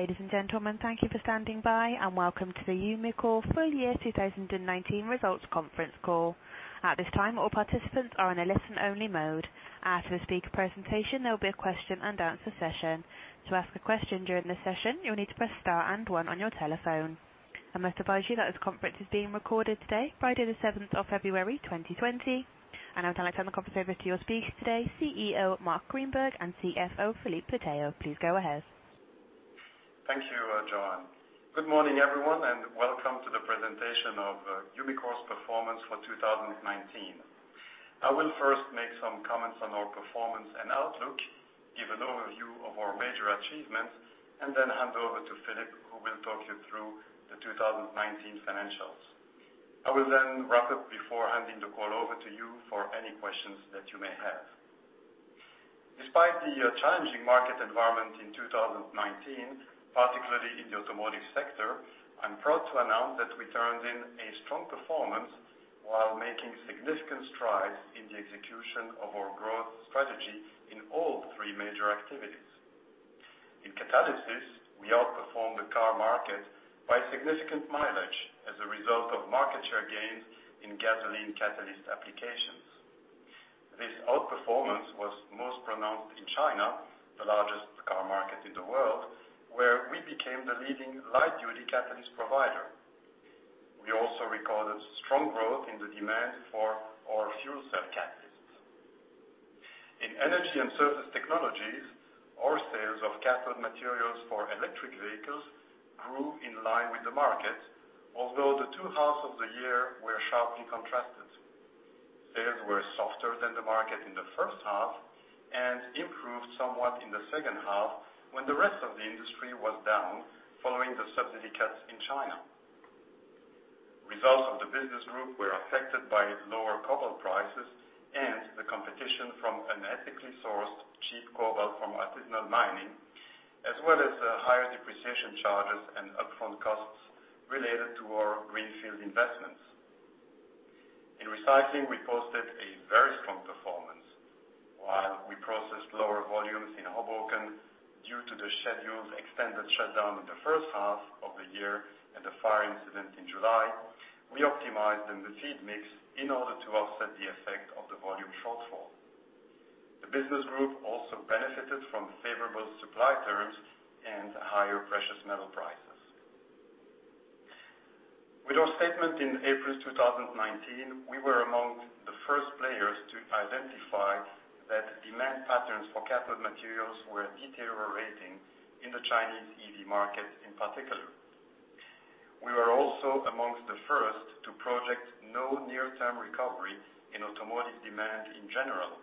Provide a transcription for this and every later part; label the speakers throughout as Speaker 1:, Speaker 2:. Speaker 1: Ladies and gentlemen, thank you for standing by, and welcome to the Umicore full year 2019 results conference call. At this time, all participants are in a listen-only mode. After the speaker presentation, there will be a question and answer session. To ask a question during the session, you'll need to press Star and One on your telephone. I must advise you that this conference is being recorded today, Friday the 7th of February 2020. I would now like to hand the conference over to your speakers today, CEO Marc Grynberg and CFO Filip Platteeuw. Please go ahead.
Speaker 2: Thank you, Joanne. Good morning, everyone. Welcome to the presentation of Umicore's performance for 2019. I will first make some comments on our performance and outlook, give an overview of our major achievements. Then hand over to Filip, who will talk you through the 2019 financials. I will wrap up before handing the call over to you for any questions that you may have. Despite the challenging market environment in 2019, particularly in the automotive sector, I'm proud to announce that we turned in a strong performance while making significant strides in the execution of our growth strategy in all three major activities. In catalysis, we outperformed the car market by significant mileage as a result of market share gains in gasoline catalyst applications. This outperformance was most pronounced in China, the largest car market in the world, where we became the leading light-duty catalyst provider. We also recorded strong growth in the demand for our fuel cell catalysts. In Energy & Surface Technologies, our sales of cathode materials for electric vehicles grew in line with the market, although the two halves of the year were sharply contrasted. Sales were softer than the market in the first half and improved somewhat in the second half, when the rest of the industry was down following the subsidy cuts in China. Results of the business group were affected by lower cobalt prices and the competition from unethically sourced cheap cobalt from artisanal mining, as well as higher depreciation charges and upfront costs related to our greenfield investments. In recycling, we posted a very strong performance. While we processed lower volumes in Hoboken due to the scheduled extended shutdown in the first half of the year and the fire incident in July, we optimized the feed mix in order to offset the effect of the volume shortfall. The business group also benefited from favorable supply terms and higher precious metal prices. With our statement in April 2019, we were amongst the first players to identify that demand patterns for cathode materials were deteriorating in the Chinese EV market in particular. We were also amongst the first to project no near-term recovery in automotive demand in general.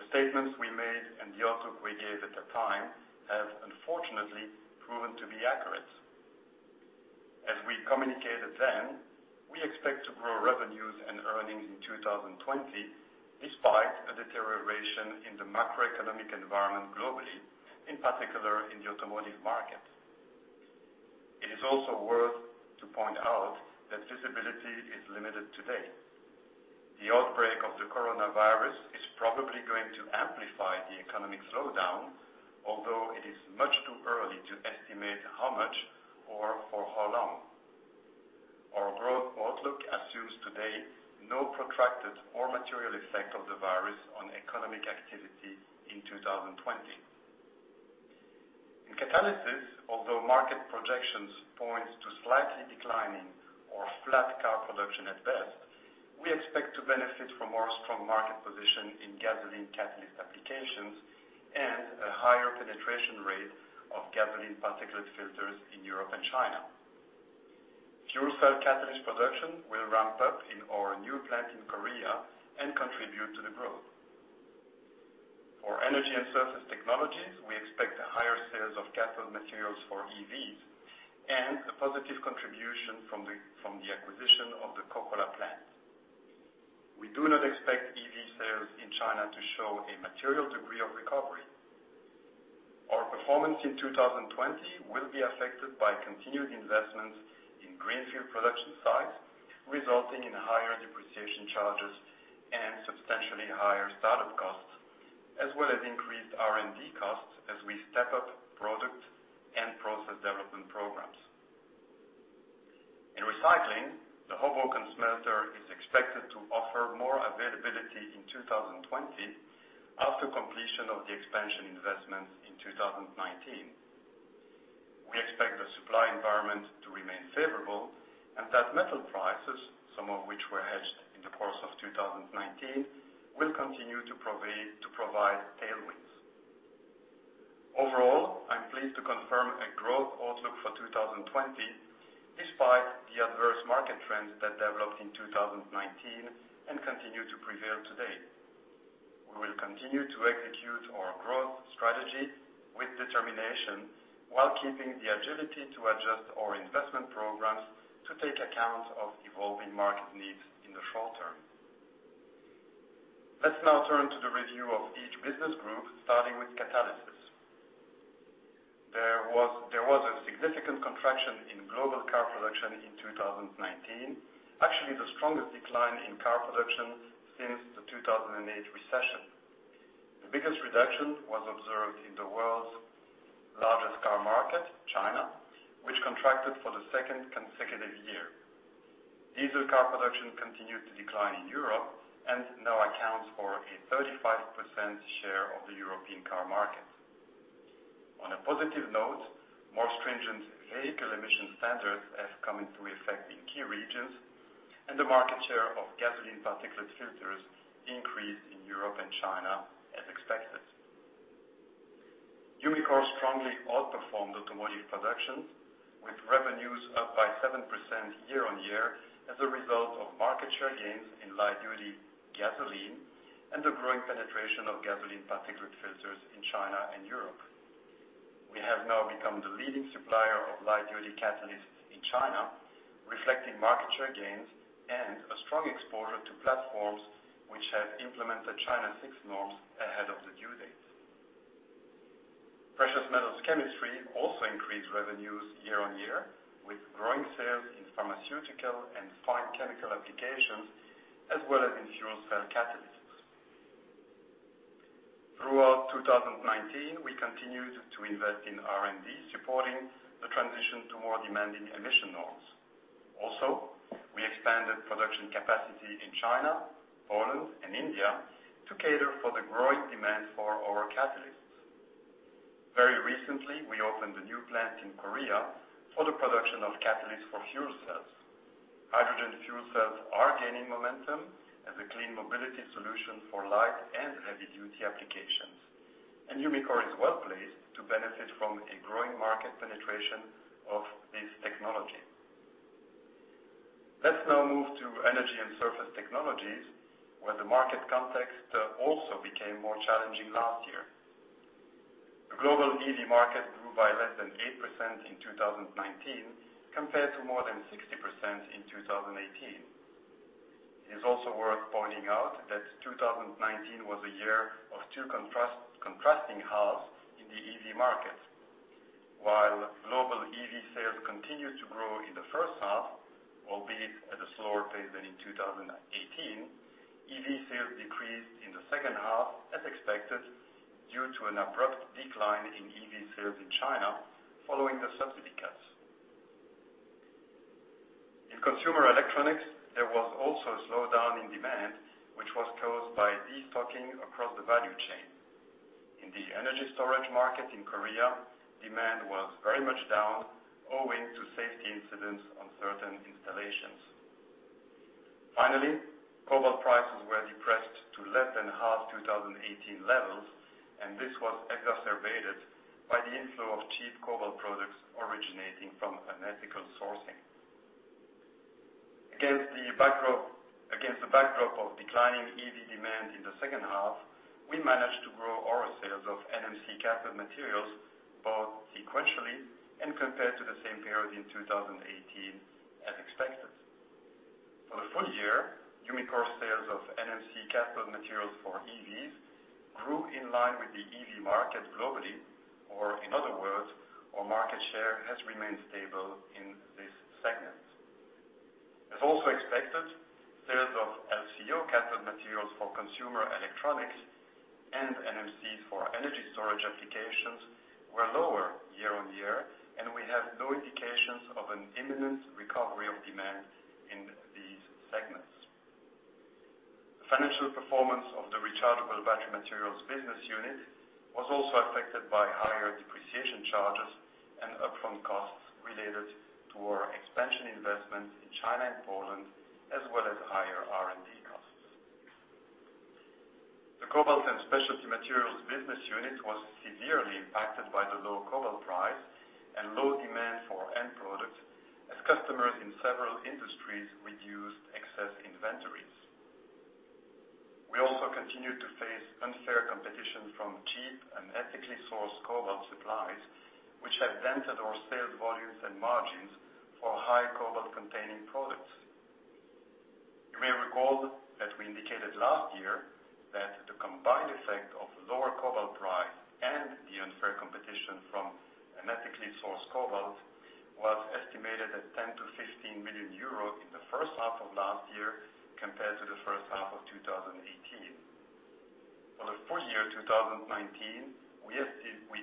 Speaker 2: The statements we made and the outlook we gave at the time have unfortunately proven to be accurate. As we communicated then, we expect to grow revenues and earnings in 2020 despite a deterioration in the macroeconomic environment globally, in particular in the automotive market. It is also worth to point out that visibility is limited today. The outbreak of the coronavirus is probably going to amplify the economic slowdown, although it is much too early to estimate how much or for how long. Our growth outlook assumes today no protracted or material effect of the virus on economic activity in 2020. In catalysis, although market projections point to slightly declining or flat car production at best, we expect to benefit from our strong market position in gasoline catalyst applications and a higher penetration rate of gasoline particulate filters in Europe and China. Fuel cell catalyst production will ramp up in our new plant in Korea and contribute to the growth. For Energy & Surface Technologies, we expect higher sales of cathode materials for EVs and a positive contribution from the acquisition of the Kokkola plant. We do not expect EV sales in China to show a material degree of recovery. Our performance in 2020 will be affected by continued investments in greenfield production sites, resulting in higher depreciation charges and substantially higher startup costs, as well as increased R&D costs as we step up product and process development programs. In recycling, the Hoboken smelter is expected to offer more availability in 2020 after completion of the expansion investments in 2019. We expect the supply environment to remain favorable and that metal prices, some of which were hedged in the course of 2019, will continue to provide tailwinds. Overall, I'm pleased to confirm a growth outlook for 2020, despite the adverse market trends that developed in 2019 and continue to prevail today. We will continue to execute our growth strategy with determination while keeping the agility to adjust our investment programs to take account of evolving market needs in the short term. Let's now turn to the review of each business group, starting with catalysis. There was a significant contraction in global car production in 2019, actually the strongest decline in car production since the 2008 recession. The biggest reduction was observed in the world's largest car market, China, which contracted for the second consecutive year. Diesel car production continued to decline in Europe and now accounts for a 35% share of the European car market. On a positive note, more stringent vehicle emission standards have come into effect in key regions, and the market share of gasoline particulate filters increased in Europe and China as expected. Umicore strongly outperformed automotive production, with revenues up by 7% year-on-year as a result of market share gains in light-duty gasoline and the growing penetration of gasoline particulate filters in China and Europe. We have now become the leading supplier of light-duty catalysts in China, reflecting market share gains and a strong exposure to platforms which have implemented China six norms ahead of the due date. Precious Metals Chemistry also increased revenues year-on-year, with growing sales in pharmaceutical and fine chemical applications, as well as in fuel cell catalysts. Throughout 2019, we continued to invest in R&D, supporting the transition to more demanding emission norms. Also, we expanded production capacity in China, Poland, and India to cater for the growing demand for our catalysts. Very recently, we opened a new plant in Korea for the production of catalysts for fuel cells. Hydrogen fuel cells are gaining momentum as a clean mobility solution for light and heavy-duty applications, and Umicore is well-placed to benefit from a growing market penetration of this technology. Let's now move to Energy & Surface Technologies, where the market context also became more challenging last year. The global EV market grew by less than 8% in 2019, compared to more than 60% in 2018. It is also worth pointing out that 2019 was a year of two contrasting halves in the EV market. While global EV sales continued to grow in the first half, albeit at a slower pace than in 2018, EV sales decreased in the second half as expected due to an abrupt decline in EV sales in China following the subsidy cuts. In consumer electronics, there was also a slowdown in demand, which was caused by destocking across the value chain. In the energy storage market in Korea, demand was very much down owing to safety incidents on certain installations. Finally, cobalt prices were depressed to less than half 2018 levels, and this was exacerbated by the inflow of cheap cobalt products originating from unethical sourcing. Against the backdrop of declining EV demand in the second half, we managed to grow our sales of NMC cathode materials both sequentially and compared to the same period in 2018 as expected. For the full year, Umicore sales of NMC cathode materials for EVs grew in line with the EV market globally, or in other words, our market share has remained stable in this segment. As also expected, sales of LCO cathode materials for consumer electronics and NMC for energy storage applications were lower year-on-year, and we have no indications of an imminent recovery of demand in these segments. The financial performance of the Rechargeable Battery Materials business unit was also affected by higher depreciation charges and upfront costs related to our expansion investments in China and Poland, as well as higher R&D costs. The Cobalt & Specialty Materials business unit was severely impacted by the low cobalt price and low demand for end products as customers in several industries reduced excess inventories. We also continued to face unfair competition from cheap and ethically sourced cobalt supplies, which have dented our sales volumes and margins for high cobalt-containing products. You may recall that we indicated last year that the combined effect of lower cobalt price and the unfair competition from unethically sourced cobalt was estimated at 10 million-15 million euros in the first half of last year compared to the first half of 2018. For the full year 2019, we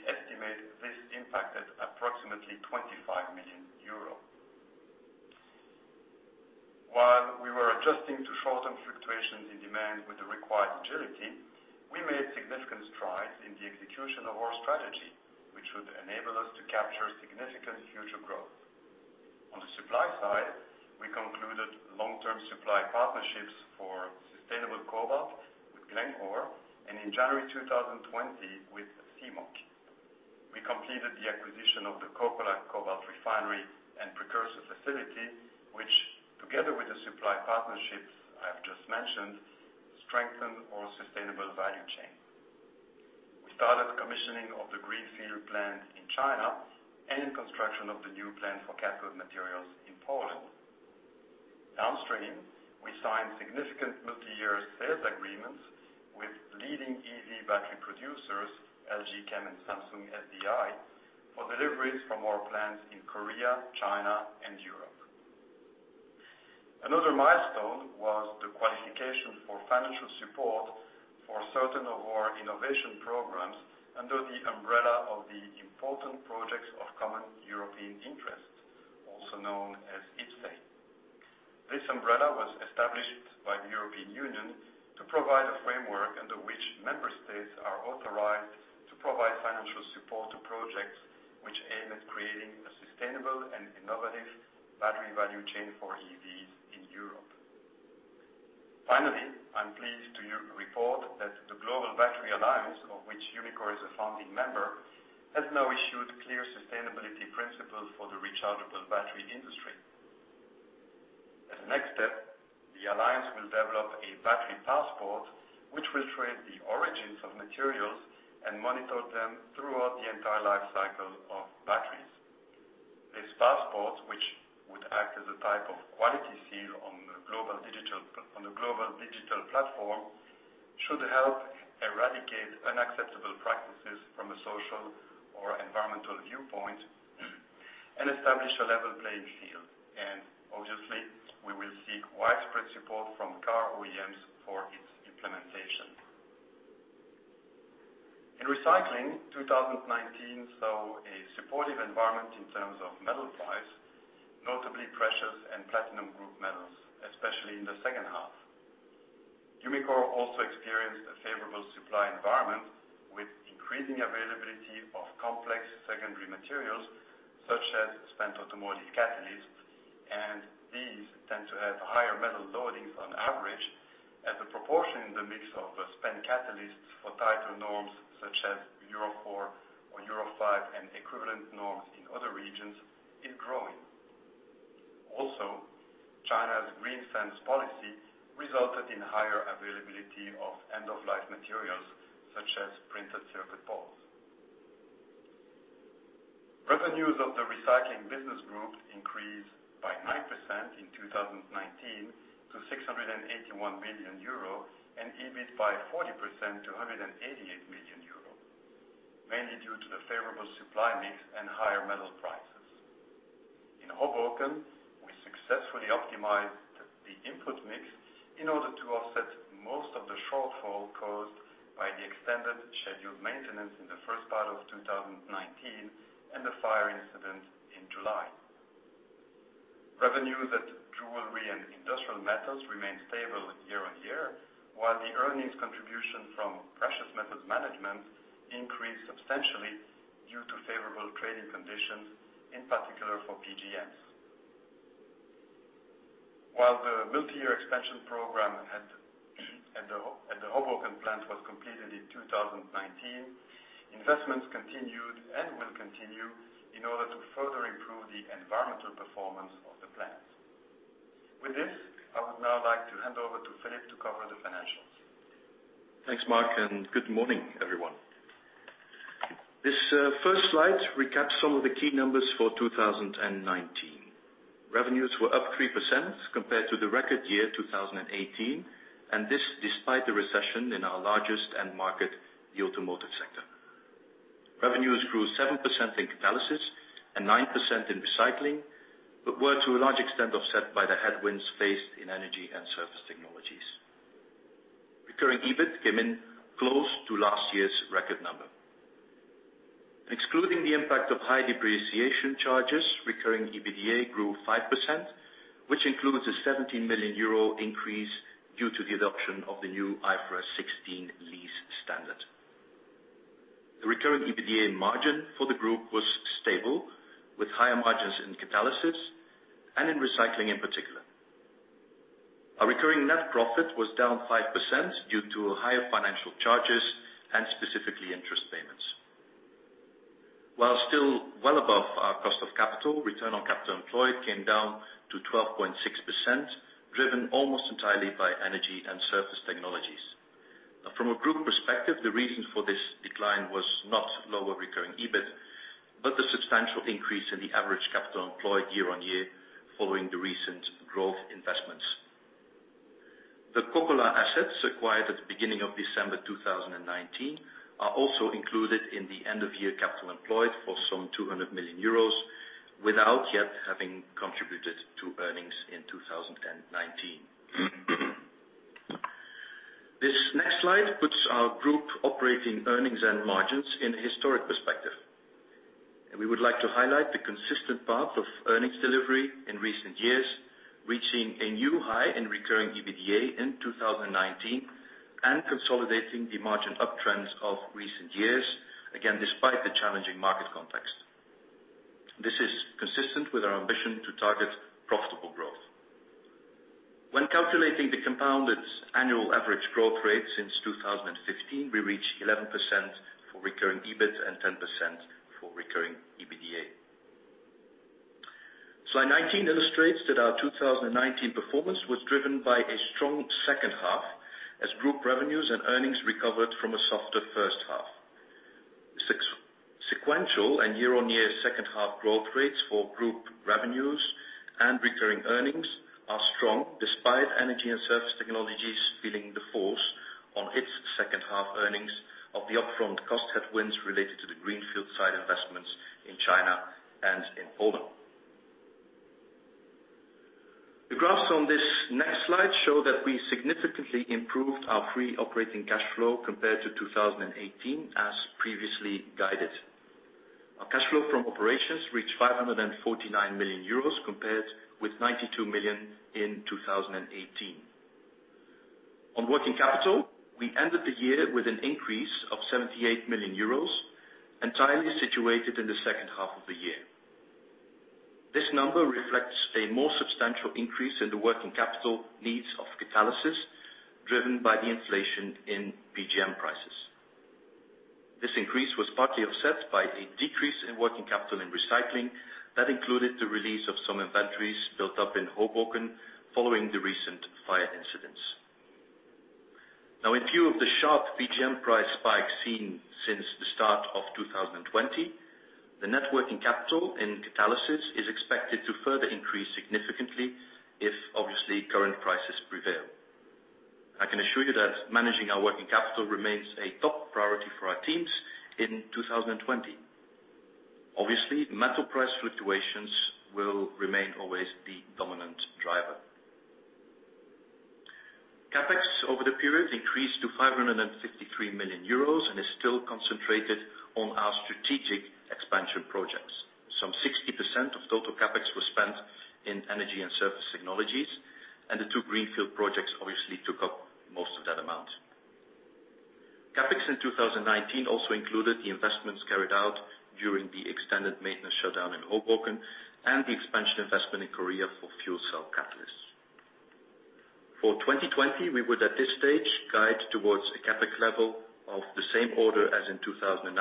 Speaker 2: estimate this impact at approximately EUR 25 million. While we were adjusting to short-term fluctuations in demand with the required agility, we made significant strides in the execution of our strategy, which would enable us to capture significant future growth. On the supply side, we concluded long-term supply partnerships for sustainable cobalt with Glencore, and in January 2020 with CMOC. We completed the acquisition of the Kokkola cobalt refinery and precursor facility, which together with the supply partnerships I have just mentioned, strengthened our sustainable value chain. We started commissioning of the greenfield plant in China and construction of the new plant for cathode materials in Poland. Downstream, we signed significant multi-year sales agreements with leading EV battery producers, LG Chem and Samsung SDI, for deliveries from our plants in Korea, China, and Europe. Another milestone was the qualification for financial support for certain of our innovation programs under the umbrella of the Important Projects of Common European Interest, also known as IPCEI. This umbrella was established by the European Union to provide a framework under which member states are authorized to provide financial support to projects which aim at creating a sustainable and innovative battery value chain for EVs in Europe. Finally, I'm pleased to report that the Global Battery Alliance, of which Umicore is a founding member, has now issued clear sustainability principles for the rechargeable battery industry. As a next step, the Alliance will develop a battery passport, which will trace the origins of materials and monitor them throughout the entire life cycle of batteries. This passport, which would act as a type of quality seal on the global digital platform, should help eradicate unacceptable practices from a social or environmental viewpoint and establish a level playing field. Obviously, we will seek widespread support from car OEMs for its implementation. In recycling, 2019 saw a supportive environment in terms of metal price, notably precious and platinum group metals, especially in the second half. Umicore also experienced a favorable supply environment with increasing availability of complex secondary materials such as spent automotive catalysts. These tend to have higher metal loadings on average as the proportion in the mix of spent catalysts for tighter norms such as Euro 4 or Euro 5 and equivalent norms in other regions is growing. Also, China's Green Fence policy resulted in higher availability of end-of-life materials such as printed circuit boards. Revenues of the recycling business group increased by 9% in 2019 to 681 million euro, and EBIT by 40% to 188 million euro, mainly due to the favorable supply mix and higher metal prices. In Hoboken, we successfully optimized the input mix in order to offset most of the shortfall caused by the extended scheduled maintenance in the first part of 2019 and the fire incident in July. Revenues at jewelry and industrial metals remained stable year on year, while the earnings contribution from precious metals management increased substantially due to favorable trading conditions, in particular for PGMs. While the multi-year expansion program at the Hoboken plant was completed in 2019, investments continued and will continue in order to further improve the environmental performance of the plant. With this, I would now like to hand over to Filip to cover the financials.
Speaker 3: Thanks, Marc, and good morning, everyone. This first slide recaps some of the key numbers for 2019. Revenues were up 3% compared to the record year 2018, and this despite the recession in our largest end market, the automotive sector. Revenues grew 7% in Catalysis and 9% in Recycling, but were to a large extent offset by the headwinds faced in Energy & Surface Technologies. Recurring EBIT came in close to last year's record number. Excluding the impact of high depreciation charges, recurring EBITDA grew 5%, which includes a EUR 17 million increase due to the adoption of the new IFRS 16 lease standard. The recurring EBITDA margin for the group was stable, with higher margins in Catalysis and in Recycling, in particular. Our recurring net profit was down 5% due to higher financial charges and specifically interest payments. While still well above our cost of capital, return on capital employed came down to 12.6%, driven almost entirely by Energy & Surface Technologies. From a group perspective, the reason for this decline was not lower recurring EBIT, but the substantial increase in the average capital employed year-over-year following the recent growth investments. The Kokkola assets acquired at the beginning of December 2019 are also included in the end-of-year capital employed for some 200 million euros, without yet having contributed to earnings in 2019. This next slide puts our group operating earnings and margins in historic perspective. We would like to highlight the consistent path of earnings delivery in recent years, reaching a new high in recurring EBITDA in 2019 and consolidating the margin uptrends of recent years, again, despite the challenging market context. This is consistent with our ambition to target profitable growth. When calculating the compounded annual average growth rate since 2015, we reach 11% for recurring EBIT and 10% for recurring EBITDA. Slide 19 illustrates that our 2019 performance was driven by a strong second half as group revenues and earnings recovered from a softer first half. Sequential and year-on-year second half growth rates for group revenues and recurring earnings are strong despite Energy & Surface Technologies feeling the force on its second half earnings of the upfront cost headwinds related to the greenfield site investments in China and in Poland. The graphs on this next slide show that we significantly improved our free operating cash flow compared to 2018, as previously guided. Our cash flow from operations reached 549 million euros compared with 92 million in 2018. On working capital, we ended the year with an increase of 78 million euros, entirely situated in the second half of the year. This number reflects a more substantial increase in the working capital needs of catalysis, driven by the inflation in PGM prices. This increase was partly offset by a decrease in working capital and recycling that included the release of some inventories built up in Hoboken following the recent fire incidents. Now, in view of the sharp PGM price spike seen since the start of 2020, the net working capital in catalysis is expected to further increase significantly if obviously current prices prevail. I can assure you that managing our working capital remains a top priority for our teams in 2020. Obviously, metal price fluctuations will remain always the dominant driver. CapEx over the period increased to 553 million euros and is still concentrated on our strategic expansion projects. Some 60% of total CapEx was spent in Energy & Surface Technologies, and the two greenfield projects obviously took up most of that amount. CapEx in 2019 also included the investments carried out during the extended maintenance shutdown in Hoboken and the expansion investment in Korea for fuel cell catalysts. For 2020, we would, at this stage, guide towards a CapEx level of the same order as in 2019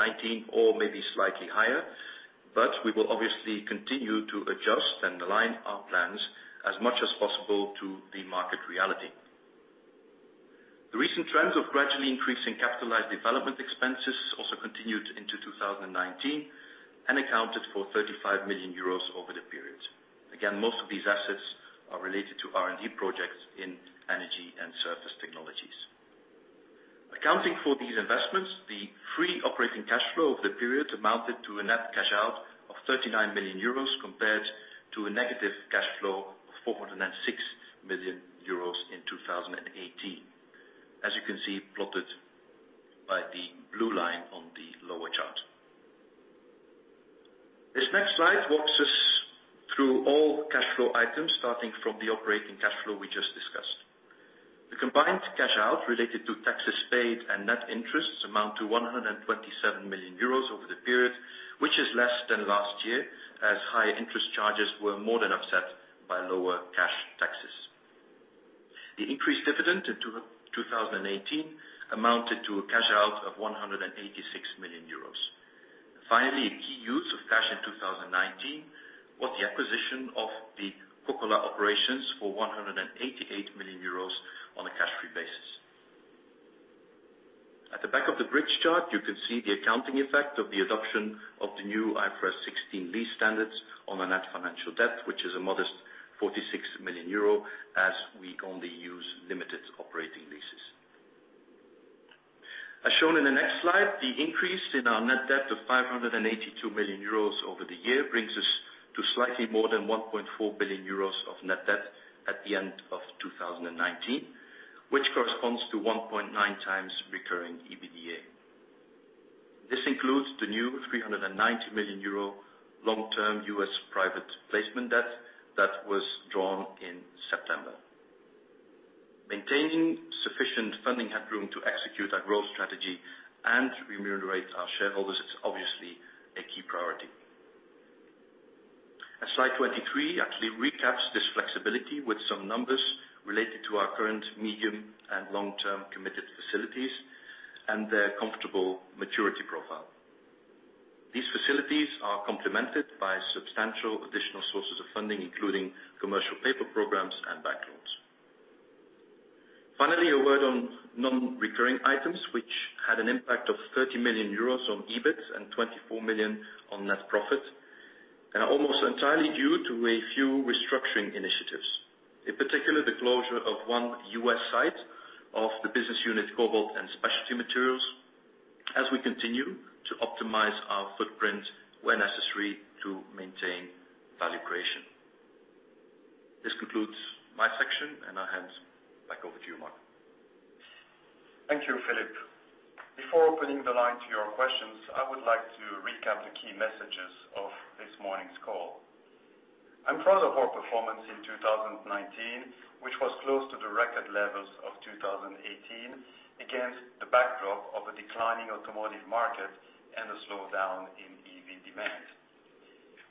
Speaker 3: or maybe slightly higher, but we will obviously continue to adjust and align our plans as much as possible to the market reality. The recent trends of gradually increasing capitalized development expenses also continued into 2019 and accounted for 35 million euros over the period. Again, most of these assets are related to R&D projects in Energy & Surface Technologies. Accounting for these investments, the free operating cash flow over the period amounted to a net cash out of 39 million euros compared to a negative cash flow of 406 million euros in 2018. As you can see, plotted by the blue line on the lower chart. This next slide walks us through all cash flow items, starting from the operating cash flow we just discussed. The combined cash out related to taxes paid and net interests amount to 127 million euros over the period, which is less than last year, as high interest charges were more than offset by lower cash taxes. The increased dividend in 2018 amounted to a cash out of 186 million euros. Finally, a key use of cash in 2019 was the acquisition of the Kokkola operations for 188 million euros on a cash-free basis. At the back of the bridge chart, you can see the accounting effect of the adoption of the new IFRS 16 lease standards on a net financial debt, which is a modest 46 million euro, as we only use limited operating leases. As shown in the next slide, the increase in our net debt of 582 million euros over the year brings us to slightly more than 1.4 billion euros of net debt at the end of 2019, which corresponds to 1.9x recurring EBITDA. This includes the new 390 million euro long-term U.S. private placement debt that was drawn in September. Maintaining sufficient funding headroom to execute our growth strategy and remunerate our shareholders is obviously a key priority. Slide 23 actually recaps this flexibility with some numbers related to our current medium- and long-term committed facilities and their comfortable maturity profile. These facilities are complemented by substantial additional sources of funding, including commercial paper programs and bank loans. Finally, a word on non-recurring items, which had an impact of 30 million euros on EBIT and 24 million on net profit, and are almost entirely due to a few restructuring initiatives. In particular, the closure of one U.S. site of the business unit, Cobalt & Specialty Materials, as we continue to optimize our footprint where necessary to maintain value creation. This concludes my section, and I hand back over to you, Marc.
Speaker 2: Thank you, Filip. Before opening the line to your questions, I would like to recap the key messages of this morning's call. I'm proud of our performance in 2019, which was close to the record levels of 2018 against the backdrop of a declining automotive market and a slowdown in EV demand.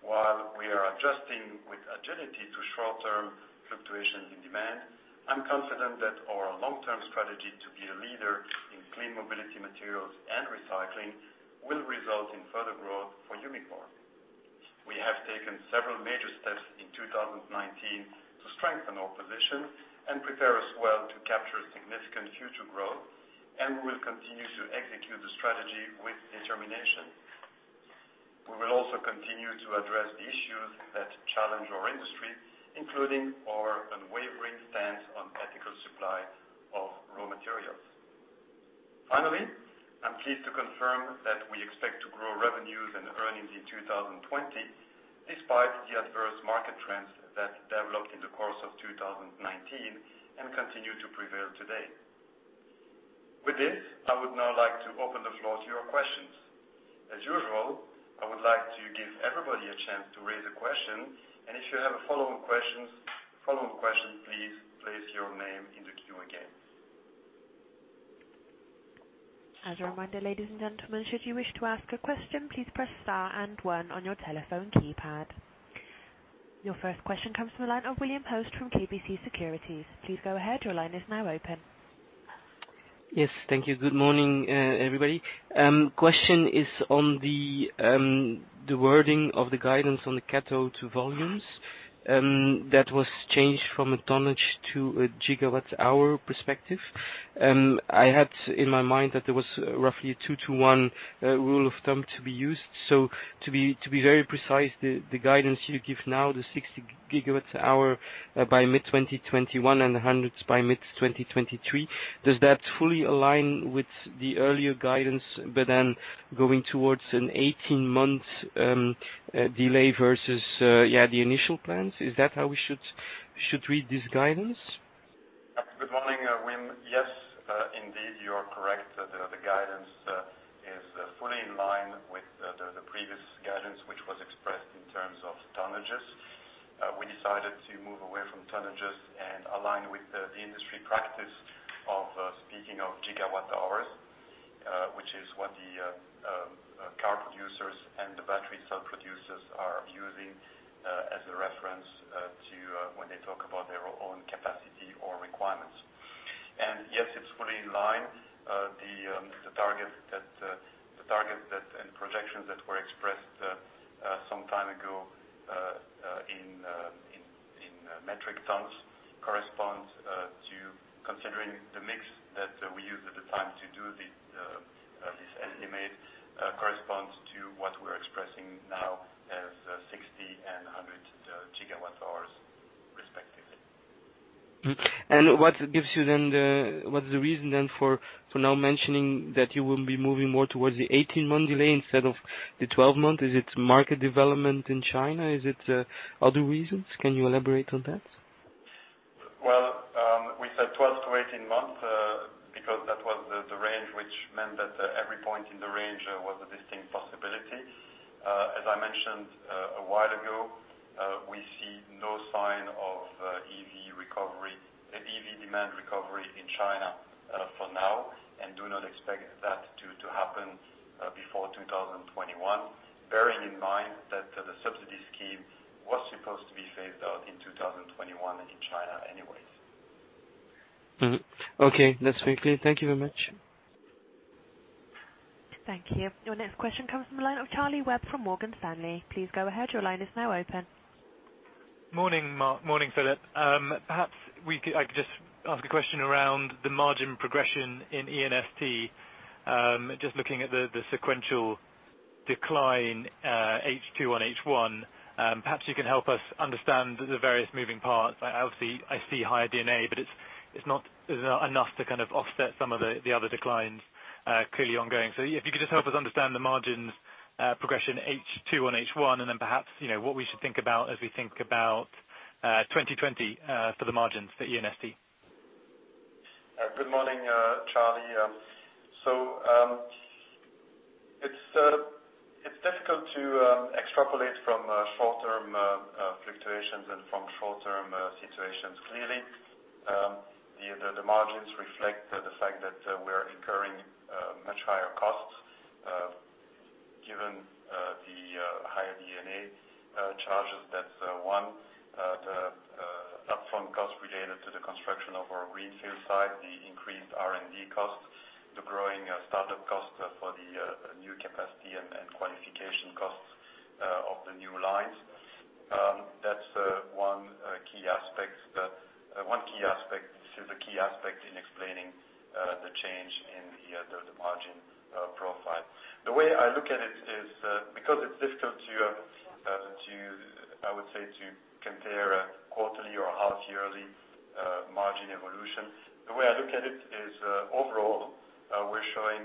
Speaker 2: While we are adjusting with agility to short-term fluctuations in demand, I'm confident that our long-term strategy to be a leader in clean mobility materials and recycling will result in further growth for Umicore. We have taken several major steps in 2019 to strengthen our position and prepare us well to capture significant future growth. We will continue to execute the strategy with determination. We will also continue to address the issues that challenge our industry, including our unwavering stance on ethical supply of raw materials. Finally, I'm pleased to confirm that we expect to grow revenues and earnings in 2020, despite the adverse market trends that developed in the course of 2019 and continue to prevail today. With this, I would now like to open the floor to your questions. As usual, I would like to give everybody a chance to raise a question, and if you have a follow-up question, please place your name in the queue again.
Speaker 1: As a reminder, ladies and gentlemen, should you wish to ask a question, please press star and one on your telephone keypad. Your first question comes from the line of Wim Hoste from KBC Securities. Please go ahead. Your line is now open.
Speaker 4: Yes. Thank you. Good morning, everybody. Question is on the wording of the guidance on the cathode to volumes that was changed from a tonnage to a gigawatt hour perspective. I had in my mind that there was roughly a two to one rule of thumb to be used. To be very precise, the guidance you give now, the 60 GWh by mid-2021 and hundreds by mid-2023, does that fully align with the earlier guidance, but then going towards an 18 month delay versus the initial plans? Is that how we should read this guidance?
Speaker 2: Good morning, Wim. Yes, indeed, you are correct. The guidance is fully in line with the previous guidance, which was expressed in terms of tonnages. We decided to move away from tonnages and align with the industry practice of speaking of gigawatt hours, which is what the car producers and the battery cell producers are using as a reference when they talk about their own capacity or requirements. Yes, it's fully in line. The target and projections that were expressed some time ago in metric tons, considering the mix that we used at the time to do this estimate, corresponds to what we're expressing now as 60 GWh and 100 GWh, respectively.
Speaker 4: What's the reason then for now mentioning that you will be moving more towards the 18-month delay instead of the 12-month? Is it market development in China? Is it other reasons? Can you elaborate on that?
Speaker 2: Well, we said 12-18 months, because that was the range, which meant that every point in the range was a distinct possibility. As I mentioned a while ago, we see no sign of EV demand recovery in China for now, and do not expect that to happen before 2021. Bearing in mind that the subsidy scheme was supposed to be phased out in 2021 in China anyways.
Speaker 4: Okay. That's very clear. Thank you very much.
Speaker 1: Thank you. Your next question comes from the line of Charlie Webb from Morgan Stanley. Please go ahead. Your line is now open.
Speaker 5: Morning, Marc. Morning, Filip. Perhaps I could just ask a question around the margin progression in E&ST. Just looking at the sequential decline H2 on H1. Perhaps you can help us understand the various moving parts. Obviously, I see higher D&A, it's not enough to kind of offset some of the other declines clearly ongoing. If you could just help us understand the margins progression H2 on H1, and then perhaps, what we should think about as we think about 2020 for the margins for E&ST.
Speaker 2: Good morning, Charlie. It's difficult to extrapolate from short-term fluctuations and from short-term situations. Clearly, the margins reflect the fact that we're incurring much higher costs given the higher D&A charges. That's one. The upfront costs related to the construction of our greenfield site, the increased R&D costs, the growing startup costs for the new capacity and quantification costs of the new lines. That's one key aspect. This is a key aspect in explaining the change in the margin profile. The way I look at it is, because it's difficult, I would say, to compare a quarterly or a half-yearly margin evolution. The way I look at it is, overall, we're showing,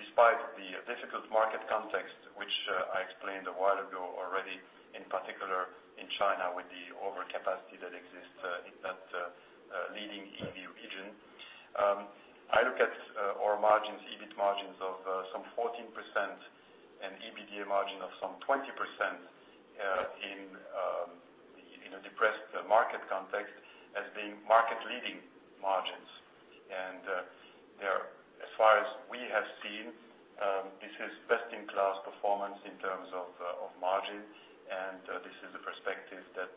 Speaker 2: despite the difficult market context, which I explained a while ago already, in particular in China with the overcapacity that exists in that leading EV region. I look at our EBIT margins of some 14% and EBITDA margin of some 20% in a depressed market context as being market leading margins. As far as we have seen, this is best in class performance in terms of margin, and this is the perspective that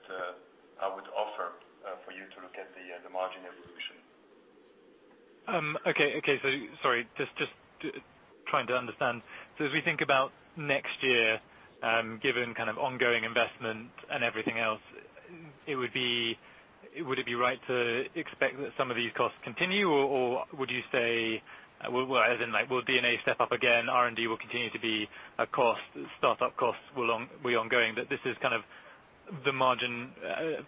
Speaker 2: I would offer for you to look at the margin evolution.
Speaker 5: Okay. Sorry, just trying to understand. As we think about next year, given kind of ongoing investment and everything else, would it be right to expect that some of these costs continue, or would you say, as in will D&A step up again, R&D will continue to be a cost, startup costs will be ongoing, that this is kind of the margin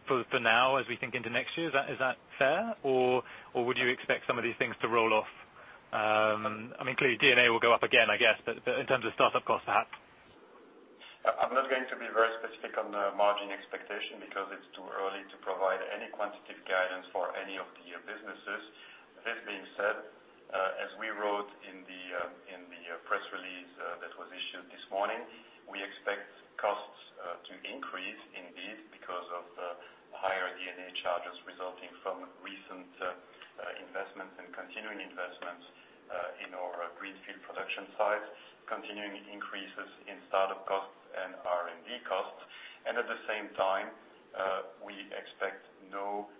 Speaker 5: for now as we think into next year? Is that fair? Or would you expect some of these things to roll off? Clearly D&A will go up again, I guess, but in terms of startup costs, perhaps.
Speaker 2: I'm not going to be very specific on the margin expectation because it's too early to provide any quantitative guidance for any of the businesses. This being said, as we wrote in the press release that was issued this morning, we expect costs to increase indeed because of the higher D&A charges resulting from recent investments and continuing investments in our greenfield production sites, continuing increases in startup costs and R&D costs. At the same time, we expect no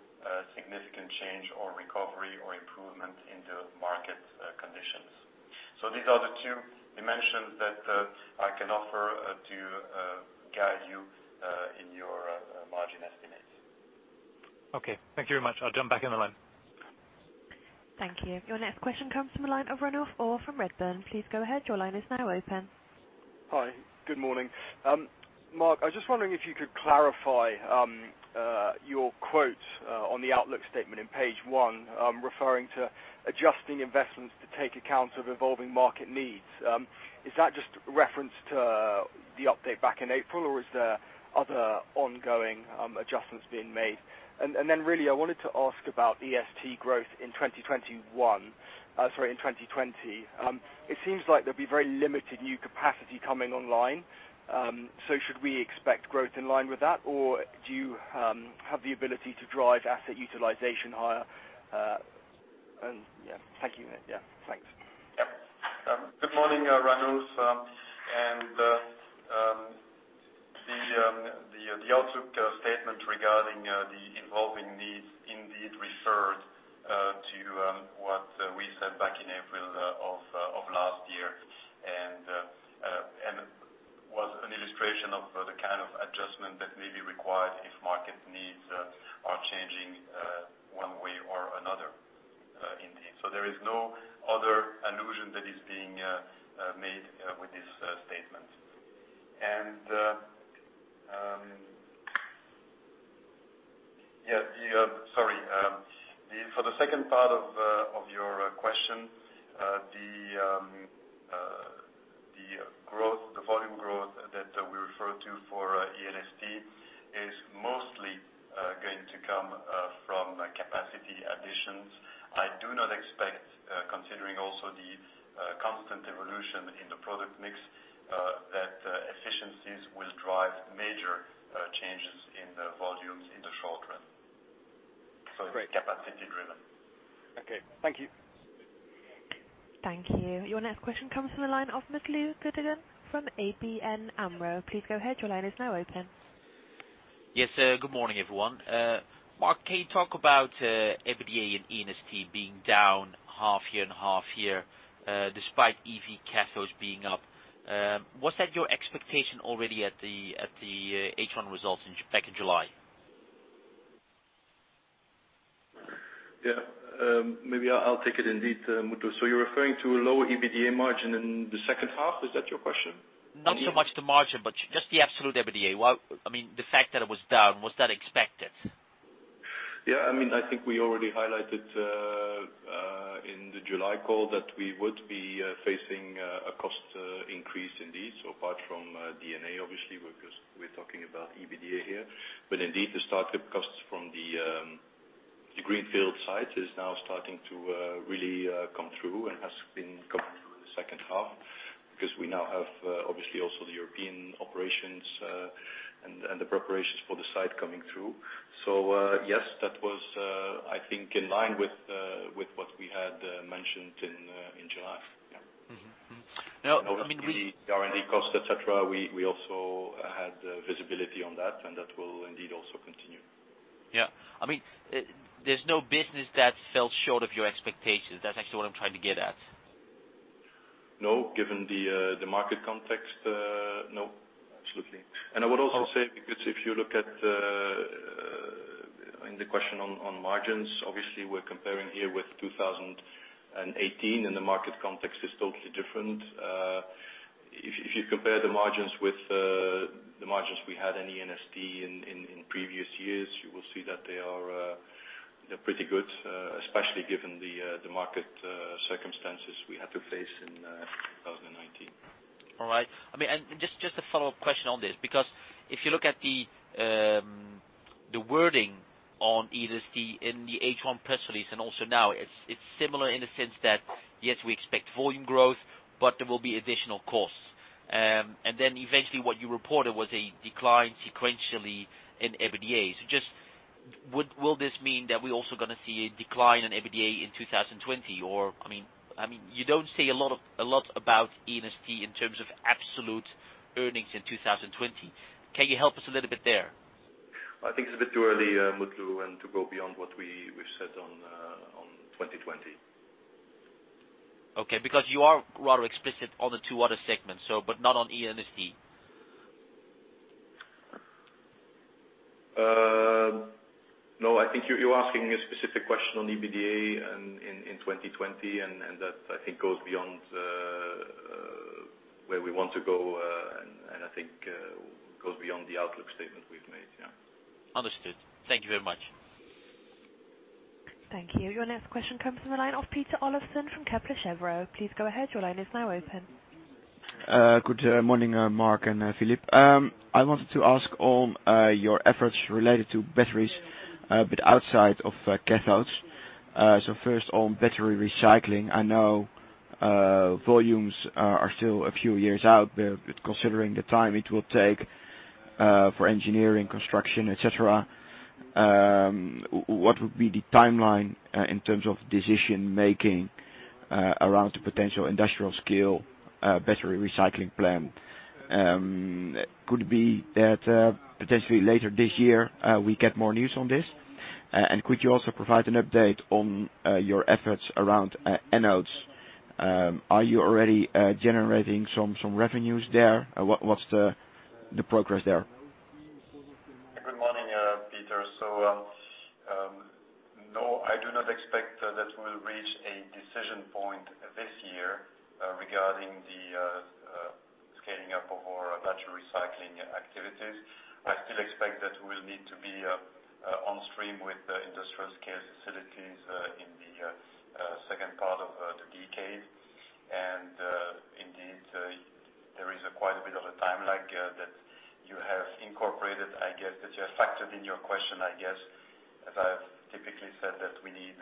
Speaker 2: significant change or recovery or improvement in the market conditions. These are the two dimensions that I can offer to guide you in your margin estimates.
Speaker 5: Okay. Thank you very much. I'll jump back in the line.
Speaker 1: Thank you. Your next question comes from the line of Ranulf Orr from Redburn. Please go ahead. Your line is now open.
Speaker 6: Hi. Good morning. Marc, I was just wondering if you could clarify your quote on the outlook statement on page one, referring to adjusting investments to take account of evolving market needs. Is that just reference to the update back in April, or is there other ongoing adjustments being made? Really, I wanted to ask about E&ST growth in 2021-- sorry, in 2020. It seems like there'll be very limited new capacity coming online. Should we expect growth in line with that, or do you have the ability to drive asset utilization higher? Yeah. Thank you. Yeah. Thanks.
Speaker 2: Yep. Good morning, Ranulf. The outlook statement regarding the evolving needs indeed referred to what we said back in April of last year and was an illustration of the kind of adjustment that may be required if market needs are changing one way or another indeed. There is no other allusion that is being made with this statement. Sorry. For the second part of your question, the volume growth that we refer to for E&ST is mostly going to come from capacity additions. I do not expect, considering also the constant evolution in the product mix, that efficiencies will drive major changes in the volumes in the short run.
Speaker 6: Great.
Speaker 2: It's capacity driven.
Speaker 6: Okay. Thank you.
Speaker 1: Thank you. Your next question comes from the line of Mutlu Gundogan from ABN AMRO. Please go ahead. Your line is now open.
Speaker 7: Yes. Good morning, everyone. Marc, can you talk about EBITDA and E&ST being down half year and half year, despite EV Cathodes being up? Was that your expectation already at the H1 results back in July?
Speaker 2: Yeah. Maybe I'll take it indeed, Mutlu. You're referring to a lower EBITDA margin in the second half. Is that your question?
Speaker 7: Not so much the margin, but just the absolute EBITDA. The fact that it was down, was that expected?
Speaker 2: I think we already highlighted in the July call that we would be facing a cost increase indeed. Apart from D&A, obviously, because we're talking about EBITDA here. Indeed, the startup costs from the greenfield site is now starting to really come through and has been coming through the second half because we now have obviously also the European operations and the preparations for the site coming through. Yes, that was, I think, in line with what we had mentioned in July.
Speaker 7: Mm-hmm.
Speaker 2: The R&D cost, et cetera, we also had visibility on that, and that will indeed also continue.
Speaker 7: Yeah. There's no business that fell short of your expectations. That's actually what I'm trying to get at.
Speaker 2: No. Given the market context, no. Absolutely. I would also say, because if you look at in the question on margins, obviously we're comparing here with 2018, the market context is totally different. If you compare the margins with the margins we had in E&ST in previous years, you will see that they're pretty good, especially given the market circumstances we had to face in 2019.
Speaker 7: All right. Just a follow-up question on this, because if you look at the wording on E&ST in the H1 press release and also now, it's similar in the sense that, yes, we expect volume growth, but there will be additional costs. Eventually what you reported was a decline sequentially in EBITDA. Just will this mean that we're also going to see a decline in EBITDA in 2020? You don't say a lot about E&ST in terms of absolute earnings in 2020. Can you help us a little bit there?
Speaker 2: I think it's a bit too early, Mutlu, to go beyond what we've said on 2020.
Speaker 7: Okay, because you are rather explicit on the two other segments, but not on E&ST.
Speaker 2: No, I think you're asking a specific question on EBITDA in 2020, and that, I think, goes beyond where we want to go and I think goes beyond the outlook statement we've made, yeah.
Speaker 7: Understood. Thank you very much.
Speaker 1: Thank you. Your next question comes from the line of Peter Olofsen from Kepler Cheuvreux. Please go ahead. Your line is now open.
Speaker 8: Good morning, Marc and Filip. I wanted to ask on your efforts related to batteries, but outside of cathodes. First, on battery recycling. I know volumes are still a few years out there, but considering the time it will take for engineering, construction, et cetera, what would be the timeline in terms of decision making around the potential industrial scale battery recycling plant? Could it be that potentially later this year we get more news on this? Could you also provide an update on your efforts around anodes? Are you already generating some revenues there? What's the progress there?
Speaker 2: Good morning, Peter. No, I do not expect that we'll reach a decision point this year regarding the scaling up of our battery recycling activities. I still expect that we'll need to be on stream with the industrial scale facilities in the second part of the decade. There is quite a bit of a time lag that you have incorporated, I guess, that you have factored in your question, I guess. As I've typically said that we need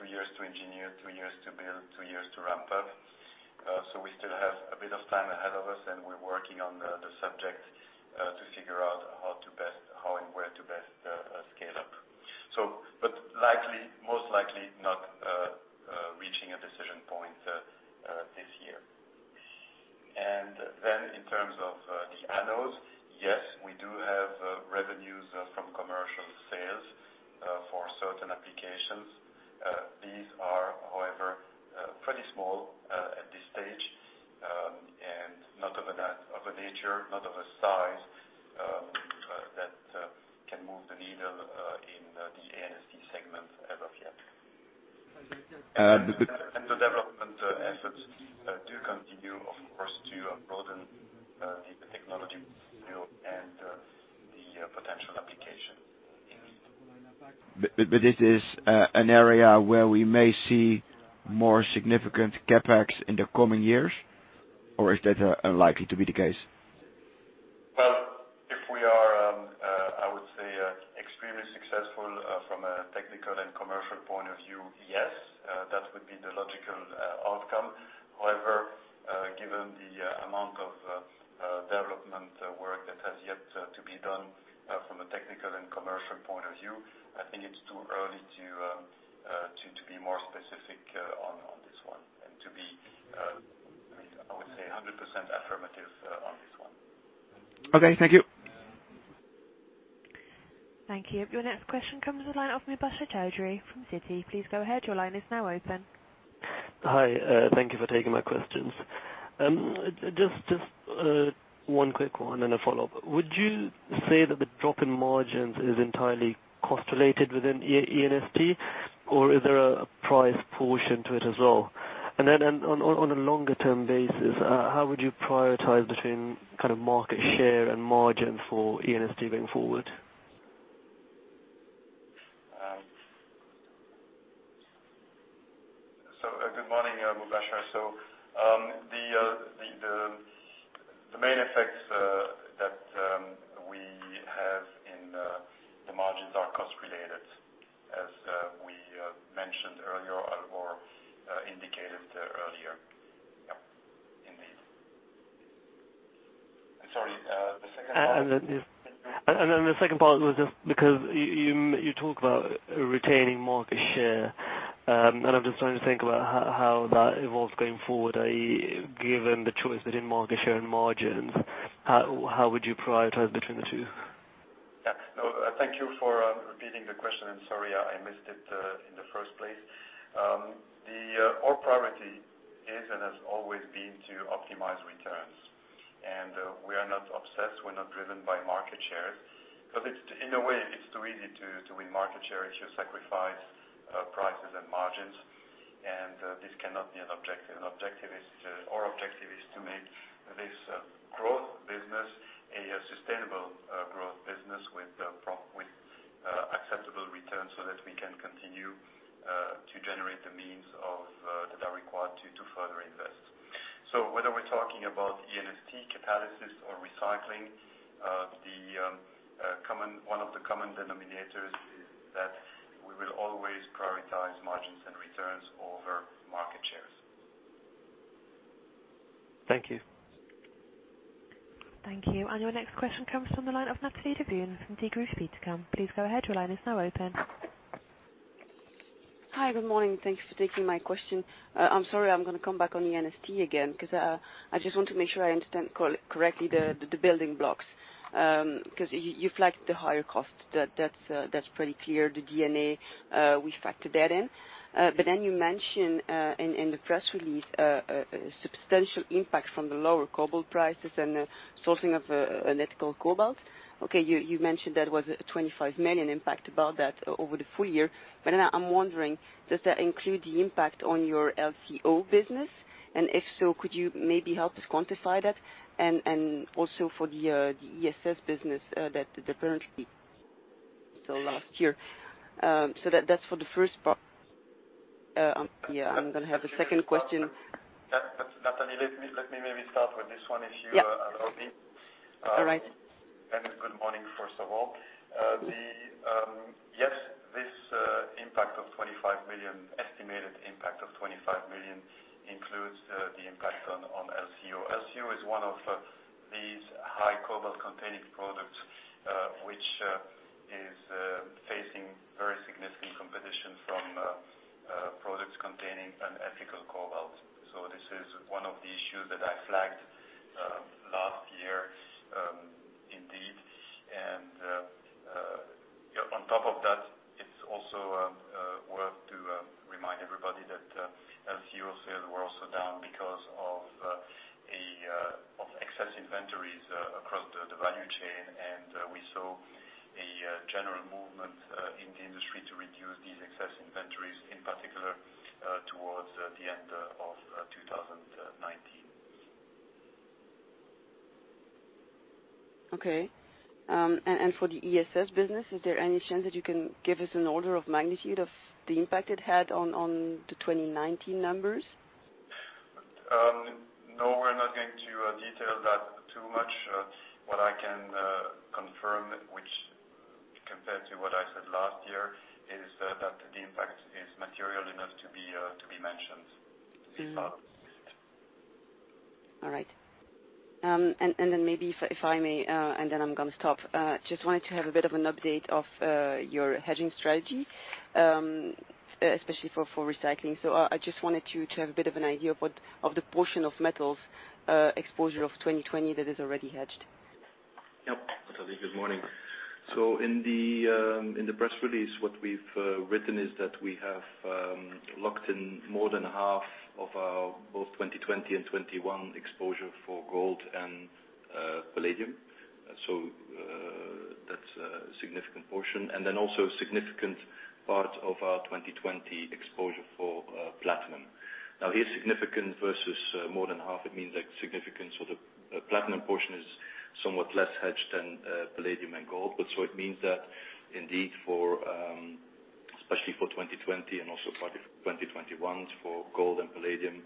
Speaker 2: two years to engineer, two years to build, two years to ramp up. We still have a bit of time ahead of us, and we're working on the subject to figure out how and where to best scale up. Most likely not reaching a decision point this year. In terms of the anodes, yes, we do have revenues from commercial sales for certain applications. These are, however, pretty small at this stage, and not of a nature, not of a size that can move the needle in the E&ST segment as of yet. The development efforts do continue, of course, to broaden the technology view and the potential application.
Speaker 8: This is an area where we may see more significant CapEx in the coming years, or is that unlikely to be the case?
Speaker 2: Well, if we are, I would say, extremely successful from a technical and commercial point of view, yes, that would be the logical outcome. However, given the amount of development work that has yet to be done from a technical and commercial point of view, I think it's too early to be more specific on this one and to be, I would say, 100% affirmative on this one.
Speaker 8: Okay, thank you.
Speaker 1: Thank you. Your next question comes the line of Mubasher Chaudhry from Citi. Please go ahead. Your line is now open.
Speaker 9: Hi. Thank you for taking my questions. Just one quick one and a follow-up. Would you say that the drop in margins is entirely cost related within E&ST, or is there a price portion to it as well? On a longer term basis, how would you prioritize between market share and margin for E&ST going forward?
Speaker 2: Good morning, Mubasher. The main effects that we have in the margins are cost related, as we mentioned earlier or indicated earlier. Yeah, indeed. I'm sorry, the second part?
Speaker 9: The second part was just because you talk about retaining market share, and I'm just trying to think about how that evolves going forward. Given the choice between market share and margins, how would you prioritize between the two?
Speaker 2: Thank you for repeating the question. Sorry I missed it in the first place. Our priority is and has always been to optimize returns. We are not obsessed, we're not driven by market share. In a way, it's too easy to win market share if you sacrifice prices and margins, and this cannot be an objective. Our objective is to make this growth business a sustainable growth business with acceptable returns so that we can continue to generate the means that are required to further invest. Whether we're talking about E&ST, catalysis, or recycling, one of the common denominators is that we will always prioritize margins and returns over market shares.
Speaker 9: Thank you.
Speaker 1: Thank you. Your next question comes from the line of Nathalie Debruyne from Degroof Petercam. Please go ahead. Your line is now open.
Speaker 10: Hi, good morning. Thanks for taking my question. I'm sorry, I'm going to come back on the E&ST again because I just want to make sure I understand correctly the building blocks, because you flagged the higher cost. That's pretty clear. The D&A, we factored that in. You mention, in the press release, a substantial impact from the lower cobalt prices and the sourcing of ethical cobalt. Okay, you mentioned that was a 25 million impact about that over the full year, but then I'm wondering, does that include the impact on your LCO business? If so, could you maybe help us quantify that? Also for the ESS business that apparently still last year. That's for the first part. Yeah, I'm going to have a second question.
Speaker 3: Nathalie, let me maybe start with this one, if you allow me.
Speaker 10: All right.
Speaker 3: Good morning first of all. Yes, this impact of 25 million, estimated impact of 25 million, includes the impact on LCO. LCO is one of these high cobalt-containing products, which is facing very significant competition from products containing unethical cobalt. This is one of the issues that I flagged last year indeed. On top of that, it's also worth to remind everybody that LCO sales were also down because of excess inventories across the value chain, and we saw a general movement in the industry to reduce these excess inventories, in particular, towards the end of 2019.
Speaker 10: Okay. For the ESS business, is there any chance that you can give us an order of magnitude of the impact it had on the 2019 numbers?
Speaker 3: No, we're not going to detail that too much. What I can confirm, which compared to what I said last year, is that the impact is material enough to be mentioned.
Speaker 10: All right. Maybe if I may, and then I'm gonna stop. Just wanted to have a bit of an update of your hedging strategy, especially for recycling. I just wanted to have a bit of an idea of the portion of metals exposure of 2020 that is already hedged.
Speaker 2: Yep. Nathalie, good morning. In the press release, what we've written is that we have locked in more than half of our both 2020 and 2021 exposure for gold and palladium. That's a significant portion. Also a significant part of our 2020 exposure for platinum. Here, significant versus more than half, it means that significant, the platinum portion is somewhat less hedged than palladium and gold. It means that indeed, especially for 2020 and also part of 2021 for gold and palladium,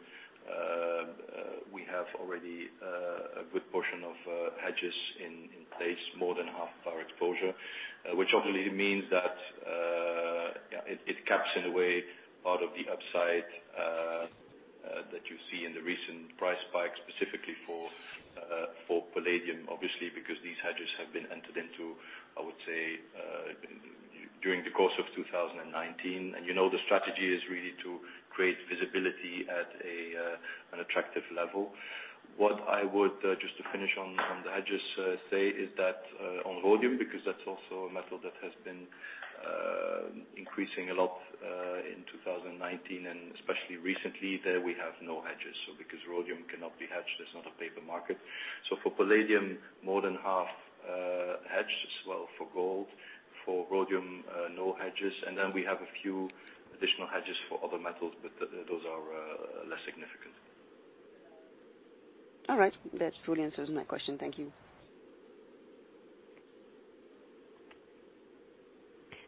Speaker 2: we have already a good portion of hedges in place, more than half of our exposure. Which obviously means that it caps, in a way, part of the upside that you see in the recent price spike, specifically for palladium, obviously, because these hedges have been entered into, I would say, during the course of 2019. You know the strategy is really to create visibility at an attractive level. What I would, just to finish on the hedges, say is that on rhodium, because that's also a metal that has been increasing a lot in 2019 and especially recently, there we have no hedges. Because rhodium cannot be hedged, it's not a paper market. For palladium, more than half hedged. As well for gold. For rhodium, no hedges. Then we have a few additional hedges for other metals, but those are less significant.
Speaker 10: All right. That fully answers my question. Thank you.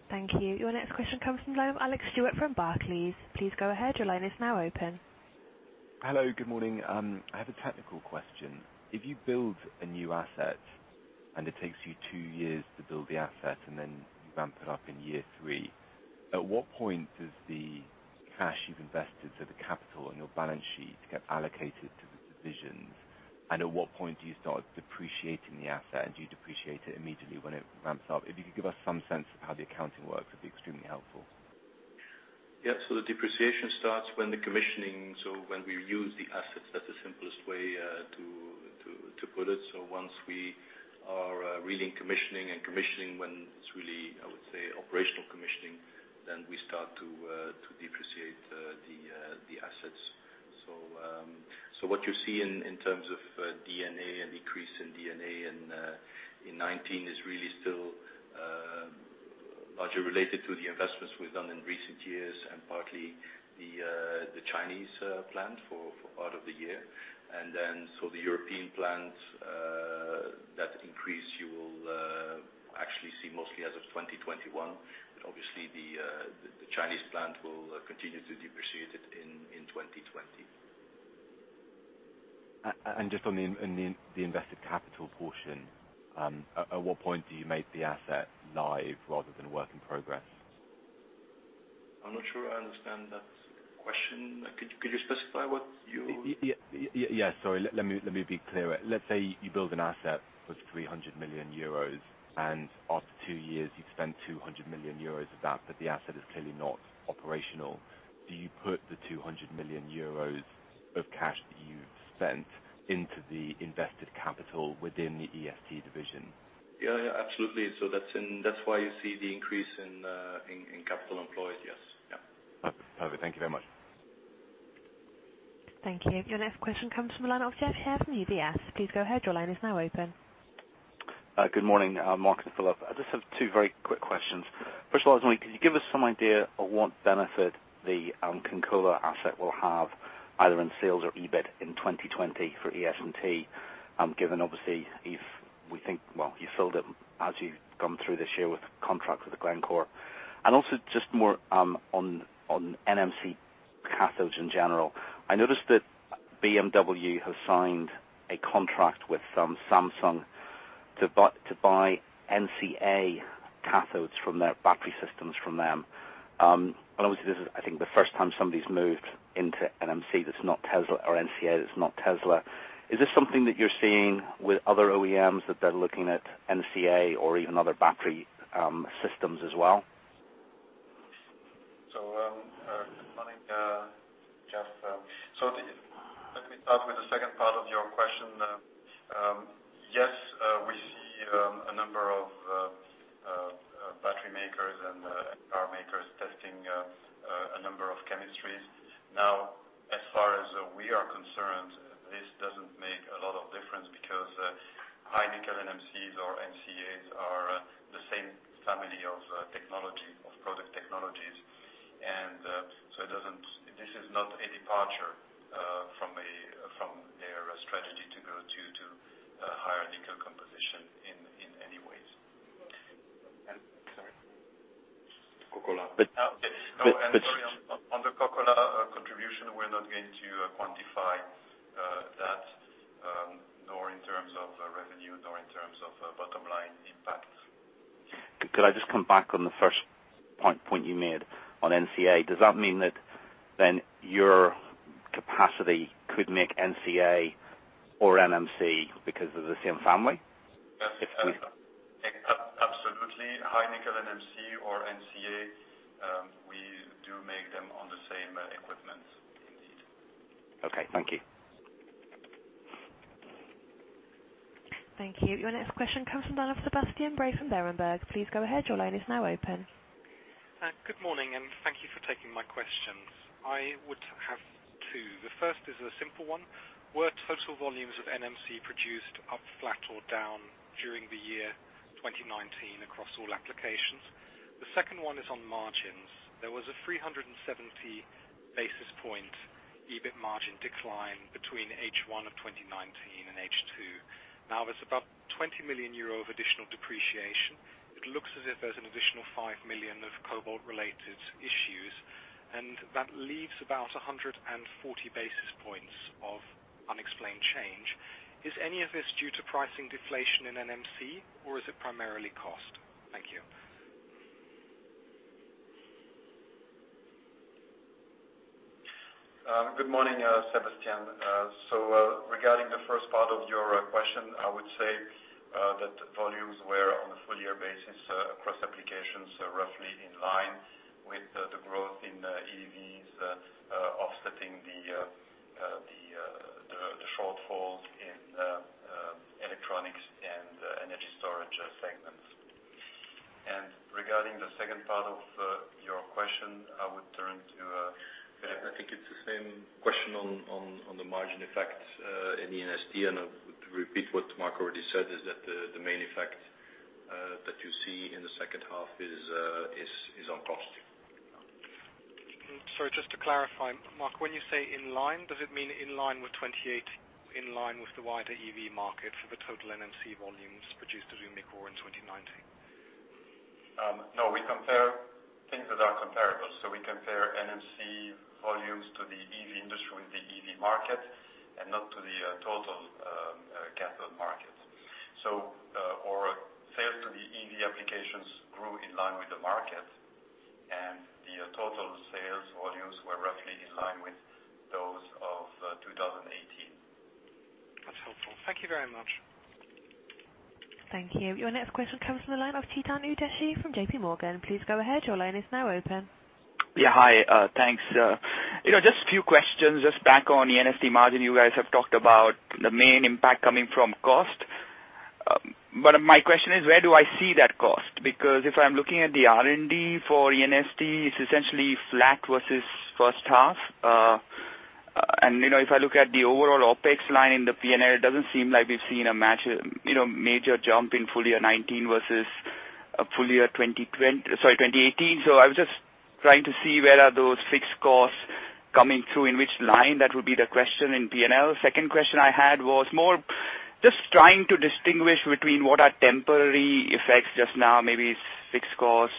Speaker 1: Thank you. Your next question comes from Alex Stewart from Barclays. Please go ahead. Your line is now open.
Speaker 11: Hello, good morning. I have a technical question. If you build a new asset and it takes you two years to build the asset, then you ramp it up in year three, at what point does the cash you've invested, so the capital in your balance sheet, get allocated to the divisions? At what point do you start depreciating the asset? Do you depreciate it immediately when it ramps up? If you could give us some sense of how the accounting works, it'd be extremely helpful.
Speaker 3: The depreciation starts when the commissioning, when we use the assets, that's the simplest way to put it. Once we are really commissioning and when it's really, I would say, operational commissioning, then we start to depreciate the assets. What you see in terms of D&A, a decrease in D&A in 2019 is really still largely related to the investments we've done in recent years and partly the Chinese plant for part of the year. The European plant, that increase you will actually see mostly as of 2021. Obviously the Chinese plant will continue to depreciate it in 2020.
Speaker 11: Just on the invested capital portion, at what point do you make the asset live rather than work in progress?
Speaker 2: I'm not sure I understand.
Speaker 11: Yeah. Sorry, let me be clear. Let's say you build an asset worth 300 million euros, and after two years you've spent 200 million euros of that, but the asset is clearly not operational. Do you put the 200 million euros of cash that you've spent into the invested capital within the E&ST division?
Speaker 2: Yeah, absolutely. That's why you see the increase in capital employed. Yes.
Speaker 11: Perfect. Thank you very much.
Speaker 1: Thank you. Your next question comes from the line of Geoff Haire, UBS. Please go ahead. Your line is now open.
Speaker 12: Good morning, Marc and Filip. I just have two very quick questions. First of all, could you give us some idea of what benefit the Kokkola asset will have, either in sales or EBIT in 2020 for E&ST, given obviously if we think, well, you filled it as you've gone through this year with contracts with Glencore. Also just more on NMC cathodes in general. I noticed that BMW has signed a contract with Samsung to buy NCA cathodes from their battery systems from them. Obviously this is, I think, the first time somebody's moved into NMC that's not Tesla, or NCA that's not Tesla. Is this something that you're seeing with other OEMs, that they're looking at NCA or even other battery systems as well?
Speaker 2: Good morning, Geoff. Let me start with the second part of your question. Yes, we see a number of battery makers and car makers testing a number of chemistries. Now, as far as we are concerned, this doesn't make a lot of difference because high nickel NMCs or NCAs are the same family of product technologies. This is not a departure from their strategy to go to higher nickel composition in any ways. Sorry. Kokkola.
Speaker 12: But-
Speaker 2: On the Kokkola contribution, we're not going to quantify that, nor in terms of revenue, nor in terms of bottom line impact.
Speaker 12: Could I just come back on the first point you made on NCA? Does that mean that then your capacity could make NCA or NMC because they're the same family?
Speaker 2: Yes. Absolutely. High nickel NMC or NCA, we do make them on the same equipment indeed.
Speaker 12: Okay. Thank you.
Speaker 1: Thank you. Your next question comes from the line of Sebastian Bray from Berenberg. Please go ahead. Your line is now open.
Speaker 13: Good morning. Thank you for taking my questions. I would have two. The first is a simple one. Were total volumes of NMC produced up, flat, or down during the year 2019 across all applications? The second one is on margins. There was a 370 basis points EBIT margin decline between H1 of 2019 and H2. Now there's about 20 million euro of additional depreciation. It looks as if there's an additional 5 million of cobalt-related issues, and that leaves about 140 basis points of unexplained change. Is any of this due to pricing deflation in NMC or is it primarily cost? Thank you.
Speaker 2: Good morning, Sebastian. Regarding the first part of your question, I would say that volumes were on a full year basis across applications, roughly in line with the growth in EVs offsetting the shortfalls in electronics and energy storage segments. Regarding the second part of your question, I would turn to Filip.
Speaker 3: I think it's the same question on the margin effect in E&ST. I would repeat what Marc already said, is that the main effect that you see in the second half is on cost.
Speaker 13: Sorry, just to clarify, Marc, when you say in line, does it mean in line with 28, in line with the wider EV market for the total NMC volumes produced at Umicore in 2019?
Speaker 2: No, we compare things that are comparable. We compare NMC volumes to the EV industry with the EV market and not to the total cathode market. Our sales to the EV applications grew in line with the market, and the total sales volumes were roughly in line with those of 2018.
Speaker 13: That's helpful. Thank you very much.
Speaker 1: Thank you. Your next question comes from the line of Chetan Udeshi from JPMorgan. Please go ahead. Your line is now open.
Speaker 14: Yeah. Hi, thanks. Just few questions. Just back on the E&ST margin, you guys have talked about the main impact coming from cost. My question is, where do I see that cost? Because if I'm looking at the R&D for E&ST, it's essentially flat versus first half. If I look at the overall OpEx line in the P&L, it doesn't seem like we've seen a major jump in full year 2019 versus full year 2018. I was just trying to see where are those fixed costs coming through, in which line that would be the question in P&L. Second question I had was more just trying to distinguish between what are temporary effects just now, maybe fixed cost,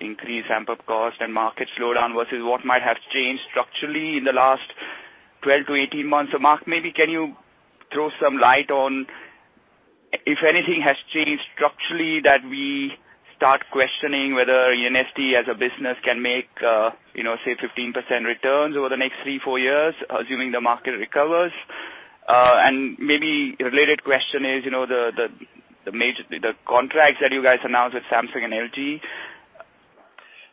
Speaker 14: increased amp up cost and market slowdown, versus what might have changed structurally in the last 12-18 months. Marc, maybe can you throw some light on. If anything has changed structurally that we start questioning whether E&ST as a business can make, say, 15% returns over the next three, four years, assuming the market recovers? Maybe a related question is, the contracts that you guys announced with Samsung and LG,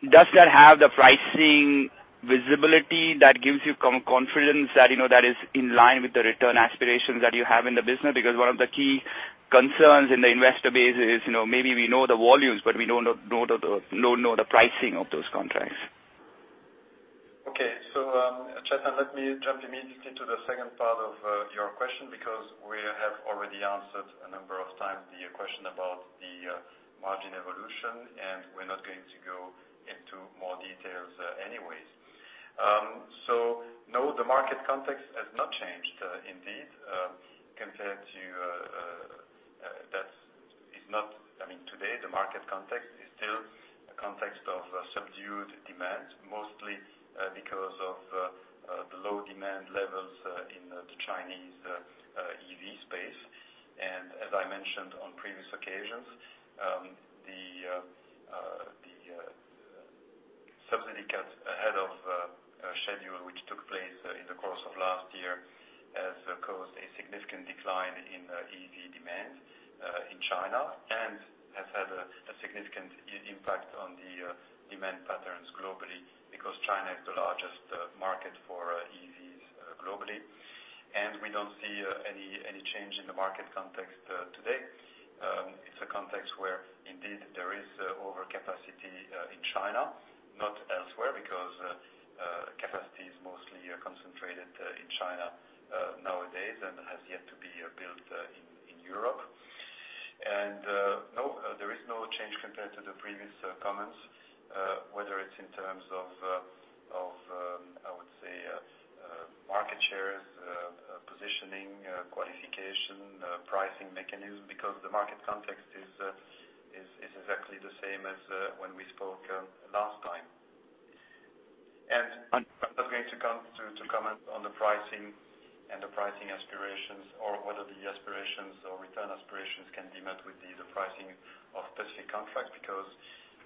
Speaker 14: does that have the pricing visibility that gives you confidence that is in line with the return aspirations that you have in the business? Because one of the key concerns in the investor base is maybe we know the volumes, but we don't know the pricing of those contracts.
Speaker 2: Okay. Chetan, let me jump immediately to the second part of your question, because we have already answered a number of times the question about the margin evolution, and we're not going to go into more details anyways. No, the market context has not changed indeed. I mean, today, the market context is still a context of subdued demand, mostly because of the low demand levels in the Chinese EV space. As I mentioned on previous occasions, the subsidy cut ahead of schedule, which took place in the course of last year, has caused a significant decline in EV demand in China and has had a significant impact on the demand patterns globally, because China is the largest market for EVs globally. We don't see any change in the market context today. It's a context where indeed there is over capacity in China, not elsewhere, because capacity is mostly concentrated in China nowadays and has yet to be built in Europe. No, there is no change compared to the previous comments, whether it's in terms of, I would say, market shares, positioning, qualification, pricing mechanism, because the market context is exactly the same as when we spoke last time. I'm not going to comment on the pricing and the pricing aspirations or whether the aspirations or return aspirations can be met with the pricing of specific contracts, because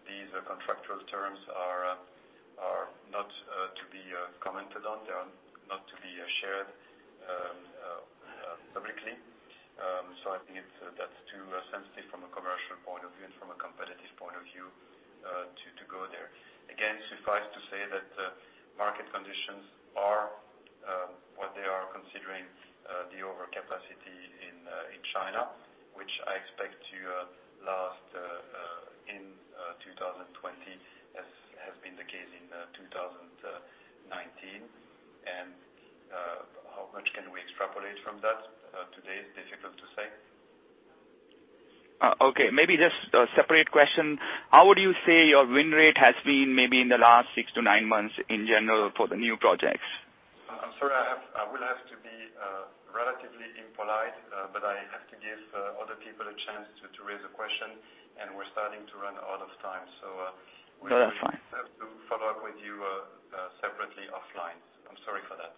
Speaker 2: these contractual terms are not to be commented on. They are not to be shared publicly. I think that's too sensitive from a commercial point of view and from a competitive point of view to go there. Again, suffice to say that market conditions are what they are considering the overcapacity in China, which I expect to last in 2020 as has been the case in 2019. How much can we extrapolate from that today is difficult to say.
Speaker 14: Okay. Maybe just a separate question. How would you say your win rate has been maybe in the last six to nine months in general for the new projects?
Speaker 2: I'm sorry. I will have to be relatively impolite. I have to give other people a chance to raise a question, and we're starting to run out of time.
Speaker 14: No, that's fine.
Speaker 2: We have to follow up with you separately offline. I'm sorry for that.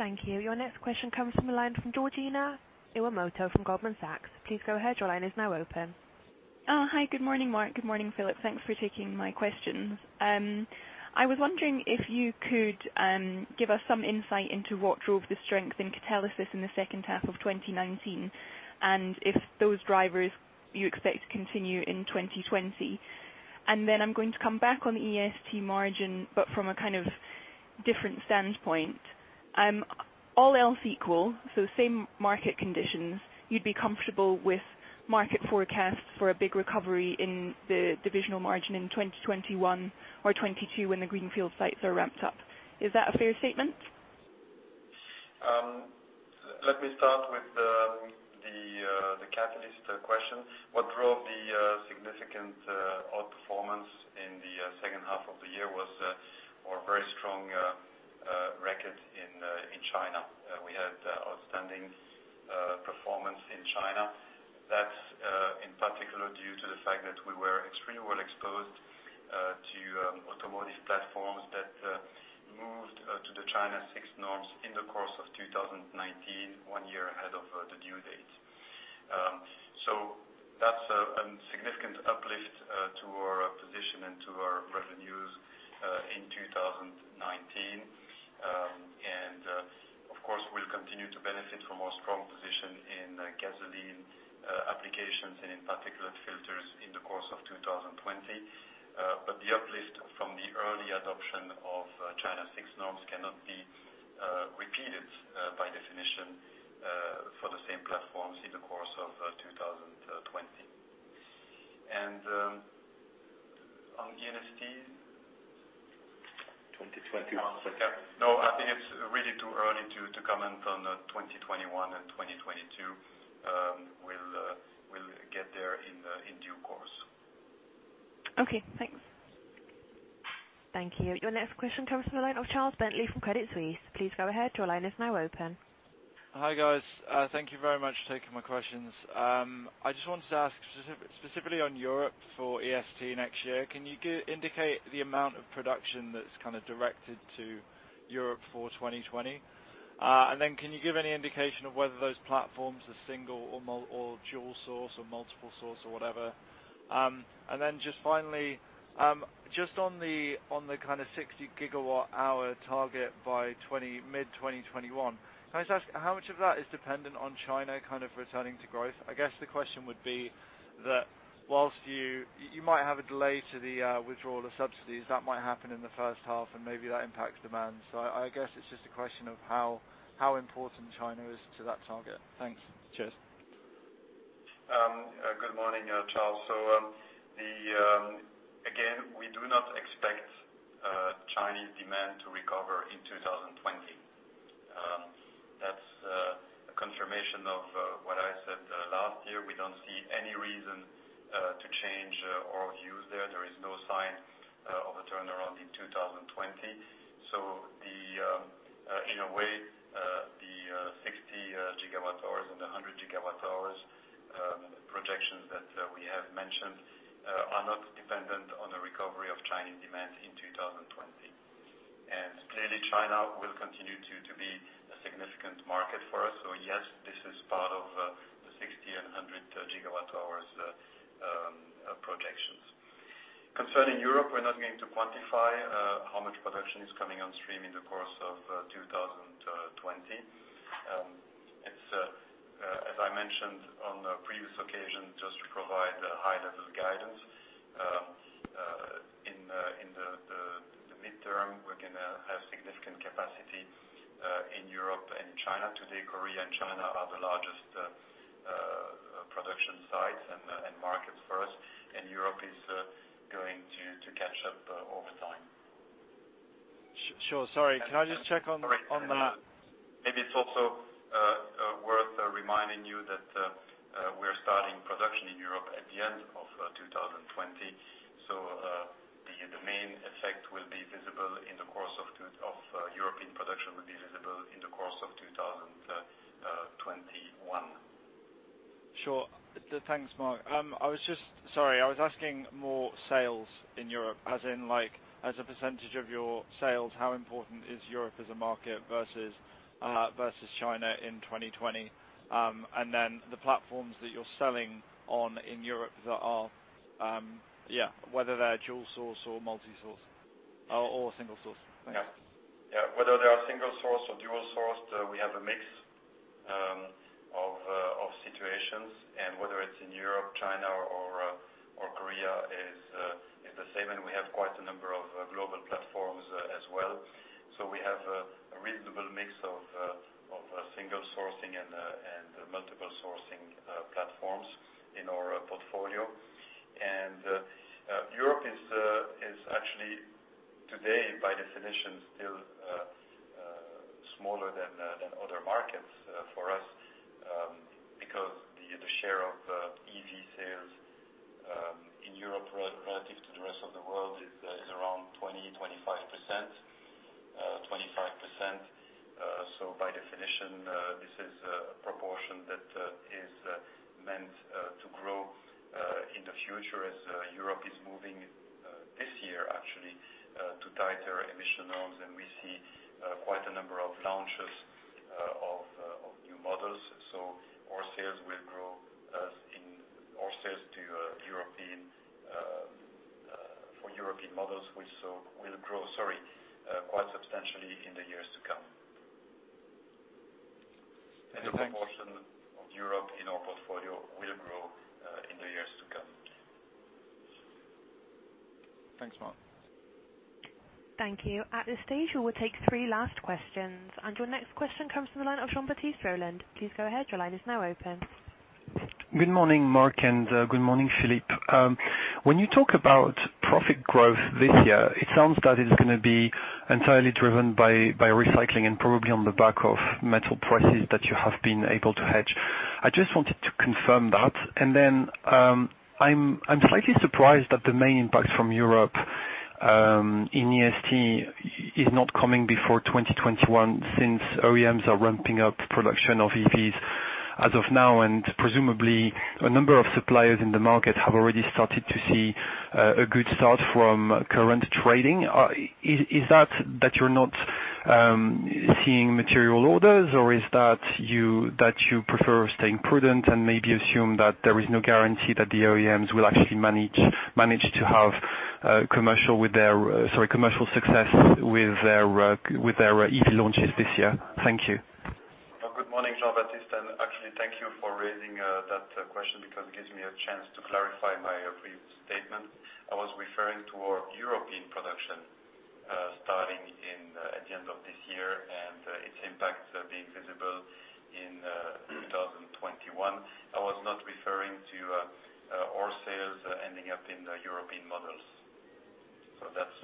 Speaker 1: Thank you. Your next question comes from the line from Georgina Iwamoto from Goldman Sachs. Please go ahead. Your line is now open.
Speaker 15: Hi, good morning, Marc. Good morning, Filip. Thanks for taking my questions. I was wondering if you could give us some insight into what drove the strength in Catalysis in the second half of 2019, if those drivers you expect to continue in 2020. Then I'm going to come back on the E&ST margin, but from a kind of different standpoint. All else equal, so same market conditions, you'd be comfortable with market forecasts for a big recovery in the divisional margin in 2021 or 2022 when the greenfield sites are ramped up. Is that a fair statement?
Speaker 2: Let me start with the Catalyst question. What drove the significant outperformance in the second half of the year was our very strong record in China. We had outstanding performance in China. That's in particular due to the fact that we were extremely well exposed to automotive platforms that moved to the China 6 norms in the course of 2019, one year ahead of the due date. That's a significant uplift to our position and to our revenues in 2019. Of course, we'll continue to benefit from our strong position in gasoline applications and in particulate filters in the course of 2020. The uplift from the early adoption of China 6 norms cannot be repeated, by definition, for the same platforms in the course of 2020. On the E&ST-
Speaker 3: 2021
Speaker 2: No, I think it's really too early to comment on 2021 and 2022. We'll get there in due course.
Speaker 15: Okay, thanks.
Speaker 1: Thank you. Your next question comes from the line of Charles Bentley from Credit Suisse. Please go ahead. Your line is now open.
Speaker 16: Hi, guys. Thank you very much for taking my questions. I just wanted to ask specifically on Europe for E&ST next year. Can you indicate the amount of production that's kind of directed to Europe for 2020. Can you give any indication of whether those platforms are single or dual source or multiple source or whatever? Just finally, just on the kind of 60 GWh target by mid-2021. Can I just ask how much of that is dependent on China kind of returning to growth? I guess the question would be that whilst you might have a delay to the withdrawal of subsidies, that might happen in the first half and maybe that impacts demand. I guess it's just a question of how important China is to that target. Thanks. Cheers.
Speaker 2: Good morning, Charles. Again, we do not expect Chinese demand to recover in 2020. That's a confirmation of what I said last year. We don't see any reason to change our views there. There is no sign of a turnaround in 2020. In a way, the 60 GWh and 100 GWh projections that we have mentioned are not dependent on a recovery of Chinese demand in 2020. Clearly, China will continue to be a significant market for us. Yes, this is part of the 60 GWh and 100 GWh projections. Concerning Europe, we're not going to quantify how much production is coming on stream in the course of 2020. It's, as I mentioned on a previous occasion, just to provide high level guidance. In the midterm, we're going to have significant capacity in Europe and China. To date, Korea and China are the largest production sites and markets for us, and Europe is going to catch up over time.
Speaker 16: Sure. Sorry. Can I just check on?
Speaker 2: Maybe it's also worth reminding you that we are starting production in Europe at the end of 2020. European production will be visible in the course of 2021.
Speaker 16: Sure. Thanks, Marc. Sorry, I was asking more sales in Europe, as in like, as a percentage of your sales, how important is Europe as a market versus China in 2020? The platforms that you're selling on in Europe that are Yeah, whether they're dual source or multi-source, or single source. Thanks.
Speaker 2: Yeah. Whether they are single source or dual sourced, we have a mix of situations. Whether it's in Europe, China or Korea is the same. We have quite a number of global platforms as well. We have a reasonable mix of single sourcing and multiple sourcing platforms in our portfolio. Europe is actually today, by definition, still smaller than other markets for us, because the share of EV sales in Europe relative to the rest of the world is around 20%, 25%. By definition, this is a proportion that is meant to grow, in the future as Europe is moving this year actually, to tighter emission norms. We see quite a number of launches of new models. Our sales For European models will grow, sorry, quite substantially in the years to come.
Speaker 16: Thanks.
Speaker 2: The proportion of Europe in our portfolio will grow in the years to come.
Speaker 16: Thanks, Marc.
Speaker 1: Thank you. At this stage, we will take three last questions. Your next question comes from the line of Jean-Baptiste Rolland. Please go ahead. Your line is now open.
Speaker 17: Good morning, Marc, and good morning, Filip. When you talk about profit growth this year, it sounds that it is going to be entirely driven by recycling and probably on the back of metal prices that you have been able to hedge. I just wanted to confirm that. I'm slightly surprised that the main impact from Europe, in E&ST is not coming before 2021, since OEMs are ramping up production of EVs as of now, and presumably a number of suppliers in the market have already started to see a good start from current trading. Is that you're not seeing material orders, or is that you prefer staying prudent and maybe assume that there is no guarantee that the OEMs will actually manage to have commercial success with their EV launches this year? Thank you.
Speaker 2: Good morning, Jean-Baptiste. Actually, thank you for raising that question because it gives me a chance to clarify my previous statement. I was referring to our European production, starting at the end of this year and its impact being visible in 2021. I was not referring to our sales ending up in the European models. That's,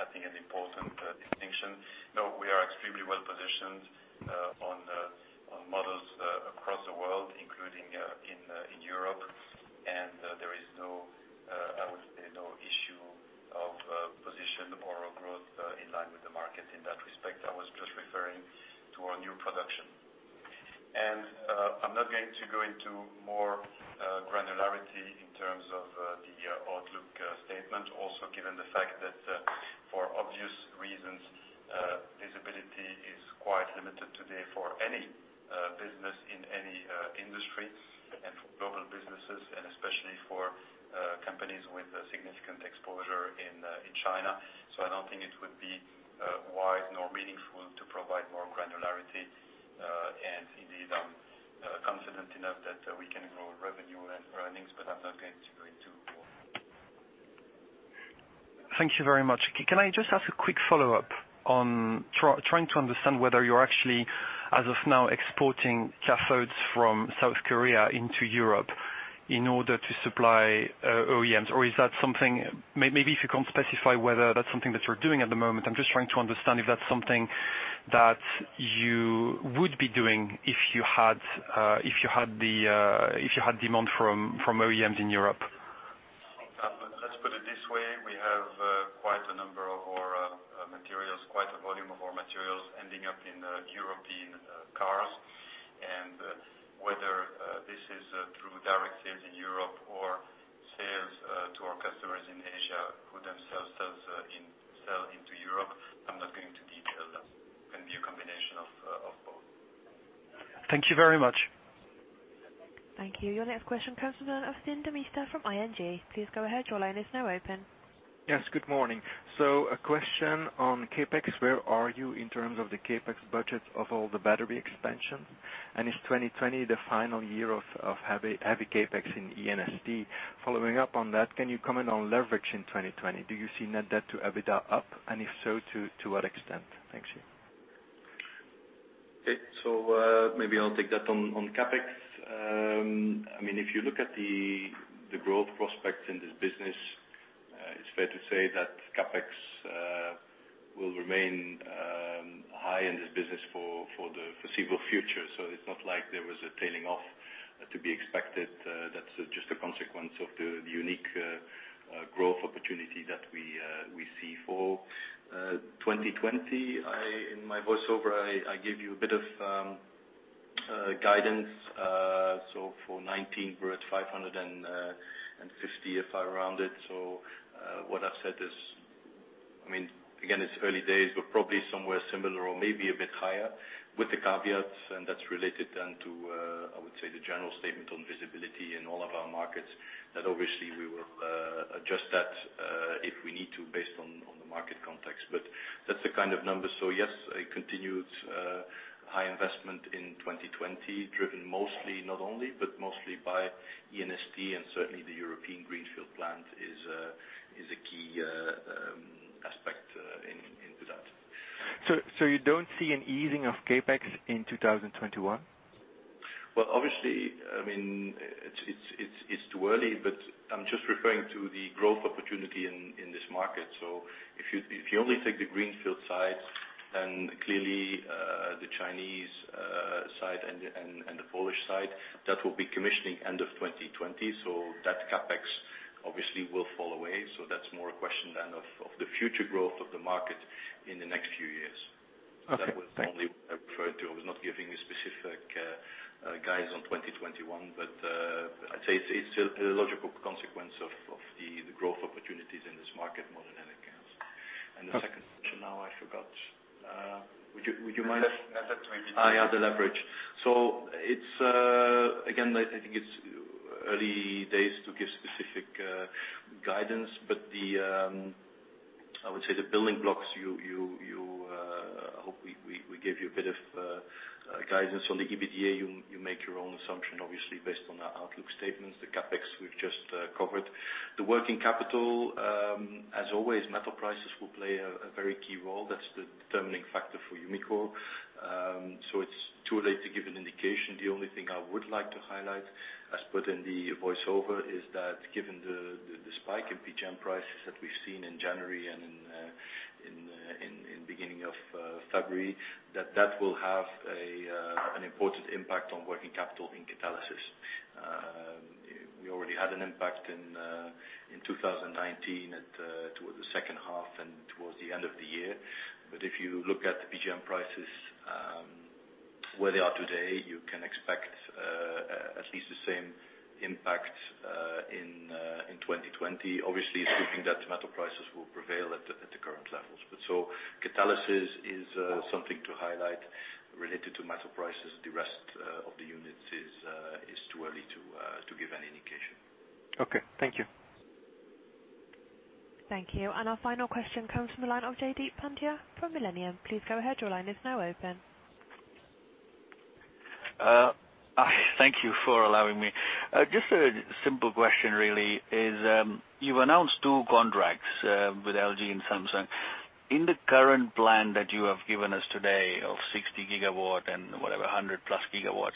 Speaker 2: I think, an important distinction. No, we are extremely well positioned on models across the world, including in Europe. There is no, I would say, no issue of position or growth in line with the market in that respect. I was just referring to our new production I'm not going to go into more granularity in terms of the outlook statement. Given the fact that for obvious reasons, visibility is quite limited today for any business in any industry, and for global businesses, and especially for companies with a significant exposure in China. I don't think it would be wise nor meaningful to provide more granularity. Indeed, I'm confident enough that we can grow revenue and earnings, but I'm not going to go into more.
Speaker 17: Thank you very much. Can I just ask a quick follow-up on trying to understand whether you're actually, as of now, exporting cathodes from South Korea into Europe in order to supply OEMs? Maybe if you can specify whether that's something that you're doing at the moment? I'm just trying to understand if that's something that you would be doing if you had demand from OEMs in Europe.
Speaker 2: Let's put it this way. We have quite a number of our materials, quite a volume of our materials ending up in European cars. Whether this is through direct sales in Europe or sales to our customers in Asia who themselves sell into Europe, I'm not going to detail that. Can be a combination of both.
Speaker 17: Thank you very much.
Speaker 1: Thank you. Your next question comes from the line of Stijn Demeester from ING. Please go ahead. Your line is now open.
Speaker 18: Yes, good morning. A question on CapEx. Where are you in terms of the CapEx budget of all the battery expansion? Is 2020 the final year of heavy CapEx in E&ST? Following up on that, can you comment on leverage in 2020? Do you see net debt to EBITDA up, and if so, to what extent? Thank you.
Speaker 3: Okay. Maybe I'll take that on CapEx. If you look at the growth prospects in this business, it's fair to say that CapEx will remain high in this business for the foreseeable future. It's not like there was a tailing off to be expected. That's just a consequence of the unique growth opportunity that we see for 2020. In my voiceover, I gave you a bit of guidance. For 2019, we're at 550, if I round it. What I've said is, again, it's early days, but probably somewhere similar or maybe a bit higher with the caveats, and that's related then to, I would say, the general statement on visibility in all of our markets. Obviously we will adjust that if we need to, based on the market context. That's the kind of number. Yes, a continued high investment in 2020, driven mostly, not only, but mostly by E&ST and certainly the European greenfield plant is a key aspect into that.
Speaker 18: You don't see an easing of CapEx in 2021?
Speaker 3: Obviously, it's too early, but I'm just referring to the growth opportunity in this market. If you only take the greenfield side, then clearly the Chinese side and the Polish side, that will be commissioning end of 2020. That CapEx obviously will fall away. That's more a question then of the future growth of the market in the next few years.
Speaker 18: Okay. Thank you.
Speaker 3: That was only what I referred to. I was not giving you specific guidance on 2021. I'd say it's a logical consequence of the growth opportunities in this market more than anything else.
Speaker 18: Okay.
Speaker 3: The second question now, I forgot. Would you mind?
Speaker 18: Leverage.
Speaker 3: Yeah, the leverage. Again, I think it's early days to give specific guidance, but I would say the building blocks, I hope we gave you a bit of guidance on the EBITDA. You make your own assumption, obviously, based on our outlook statements. The CapEx we've just covered. The working capital, as always, metal prices will play a very key role. That's the determining factor for Umicore. It's too late to give an indication. The only thing I would like to highlight, as put in the voiceover, is that given the spike in PGM prices that we've seen in January and in beginning of February, that that will have an important impact on working capital in catalysis. We already had an impact in 2019 towards the second half and towards the end of the year. If you look at the PGM prices, where they are today, you can expect at least the same impact in 2020. Obviously, assuming that metal prices will prevail at the current levels. Catalysis is something to highlight related to metal prices. The rest of the units, it's too early to give any indication.
Speaker 18: Okay. Thank you.
Speaker 1: Thank you. Our final question comes from the line of Jaideep Pandya from Millennium. Please go ahead. Your line is now open.
Speaker 19: Thank you for allowing me. Just a simple question really is, you've announced two contracts with LG and Samsung. In the current plan that you have given us today of 60 GW and whatever, 10+ GW,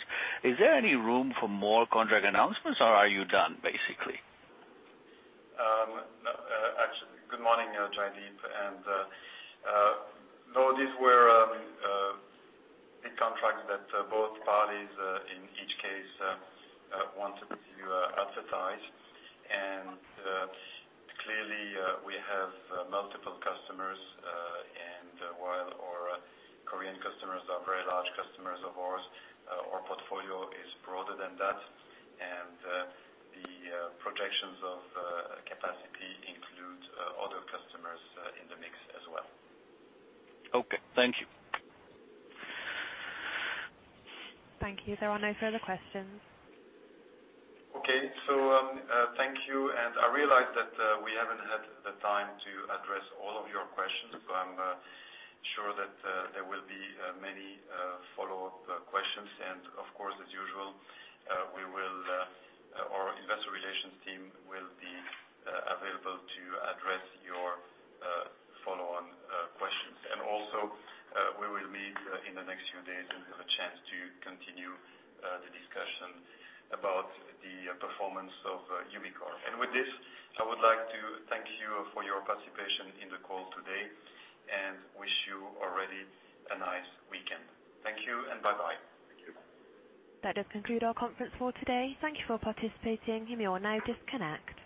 Speaker 19: is there any room for more contract announcements or are you done, basically?
Speaker 2: Good morning, Jaideep. No, these were big contracts that both parties in each case wanted to advertise. Clearly, we have multiple customers, and while our Korean customers are very large customers of ours, our portfolio is broader than that. The projections of capacity include other customers in the mix as well.
Speaker 19: Okay. Thank you.
Speaker 1: Thank you. There are no further questions.
Speaker 2: Okay. Thank you. I realize that we haven't had the time to address all of your questions, but I'm sure that there will be many follow-up questions. Of course, as usual, our investor relations team will be available to address your follow-on questions. Also, we will meet in the next few days and have a chance to continue the discussion about the performance of Umicore. With this, I would like to thank you for your participation in the call today, and wish you already a nice weekend. Thank you and bye-bye.
Speaker 1: That does conclude our conference call today. Thank you for participating. You may now disconnect.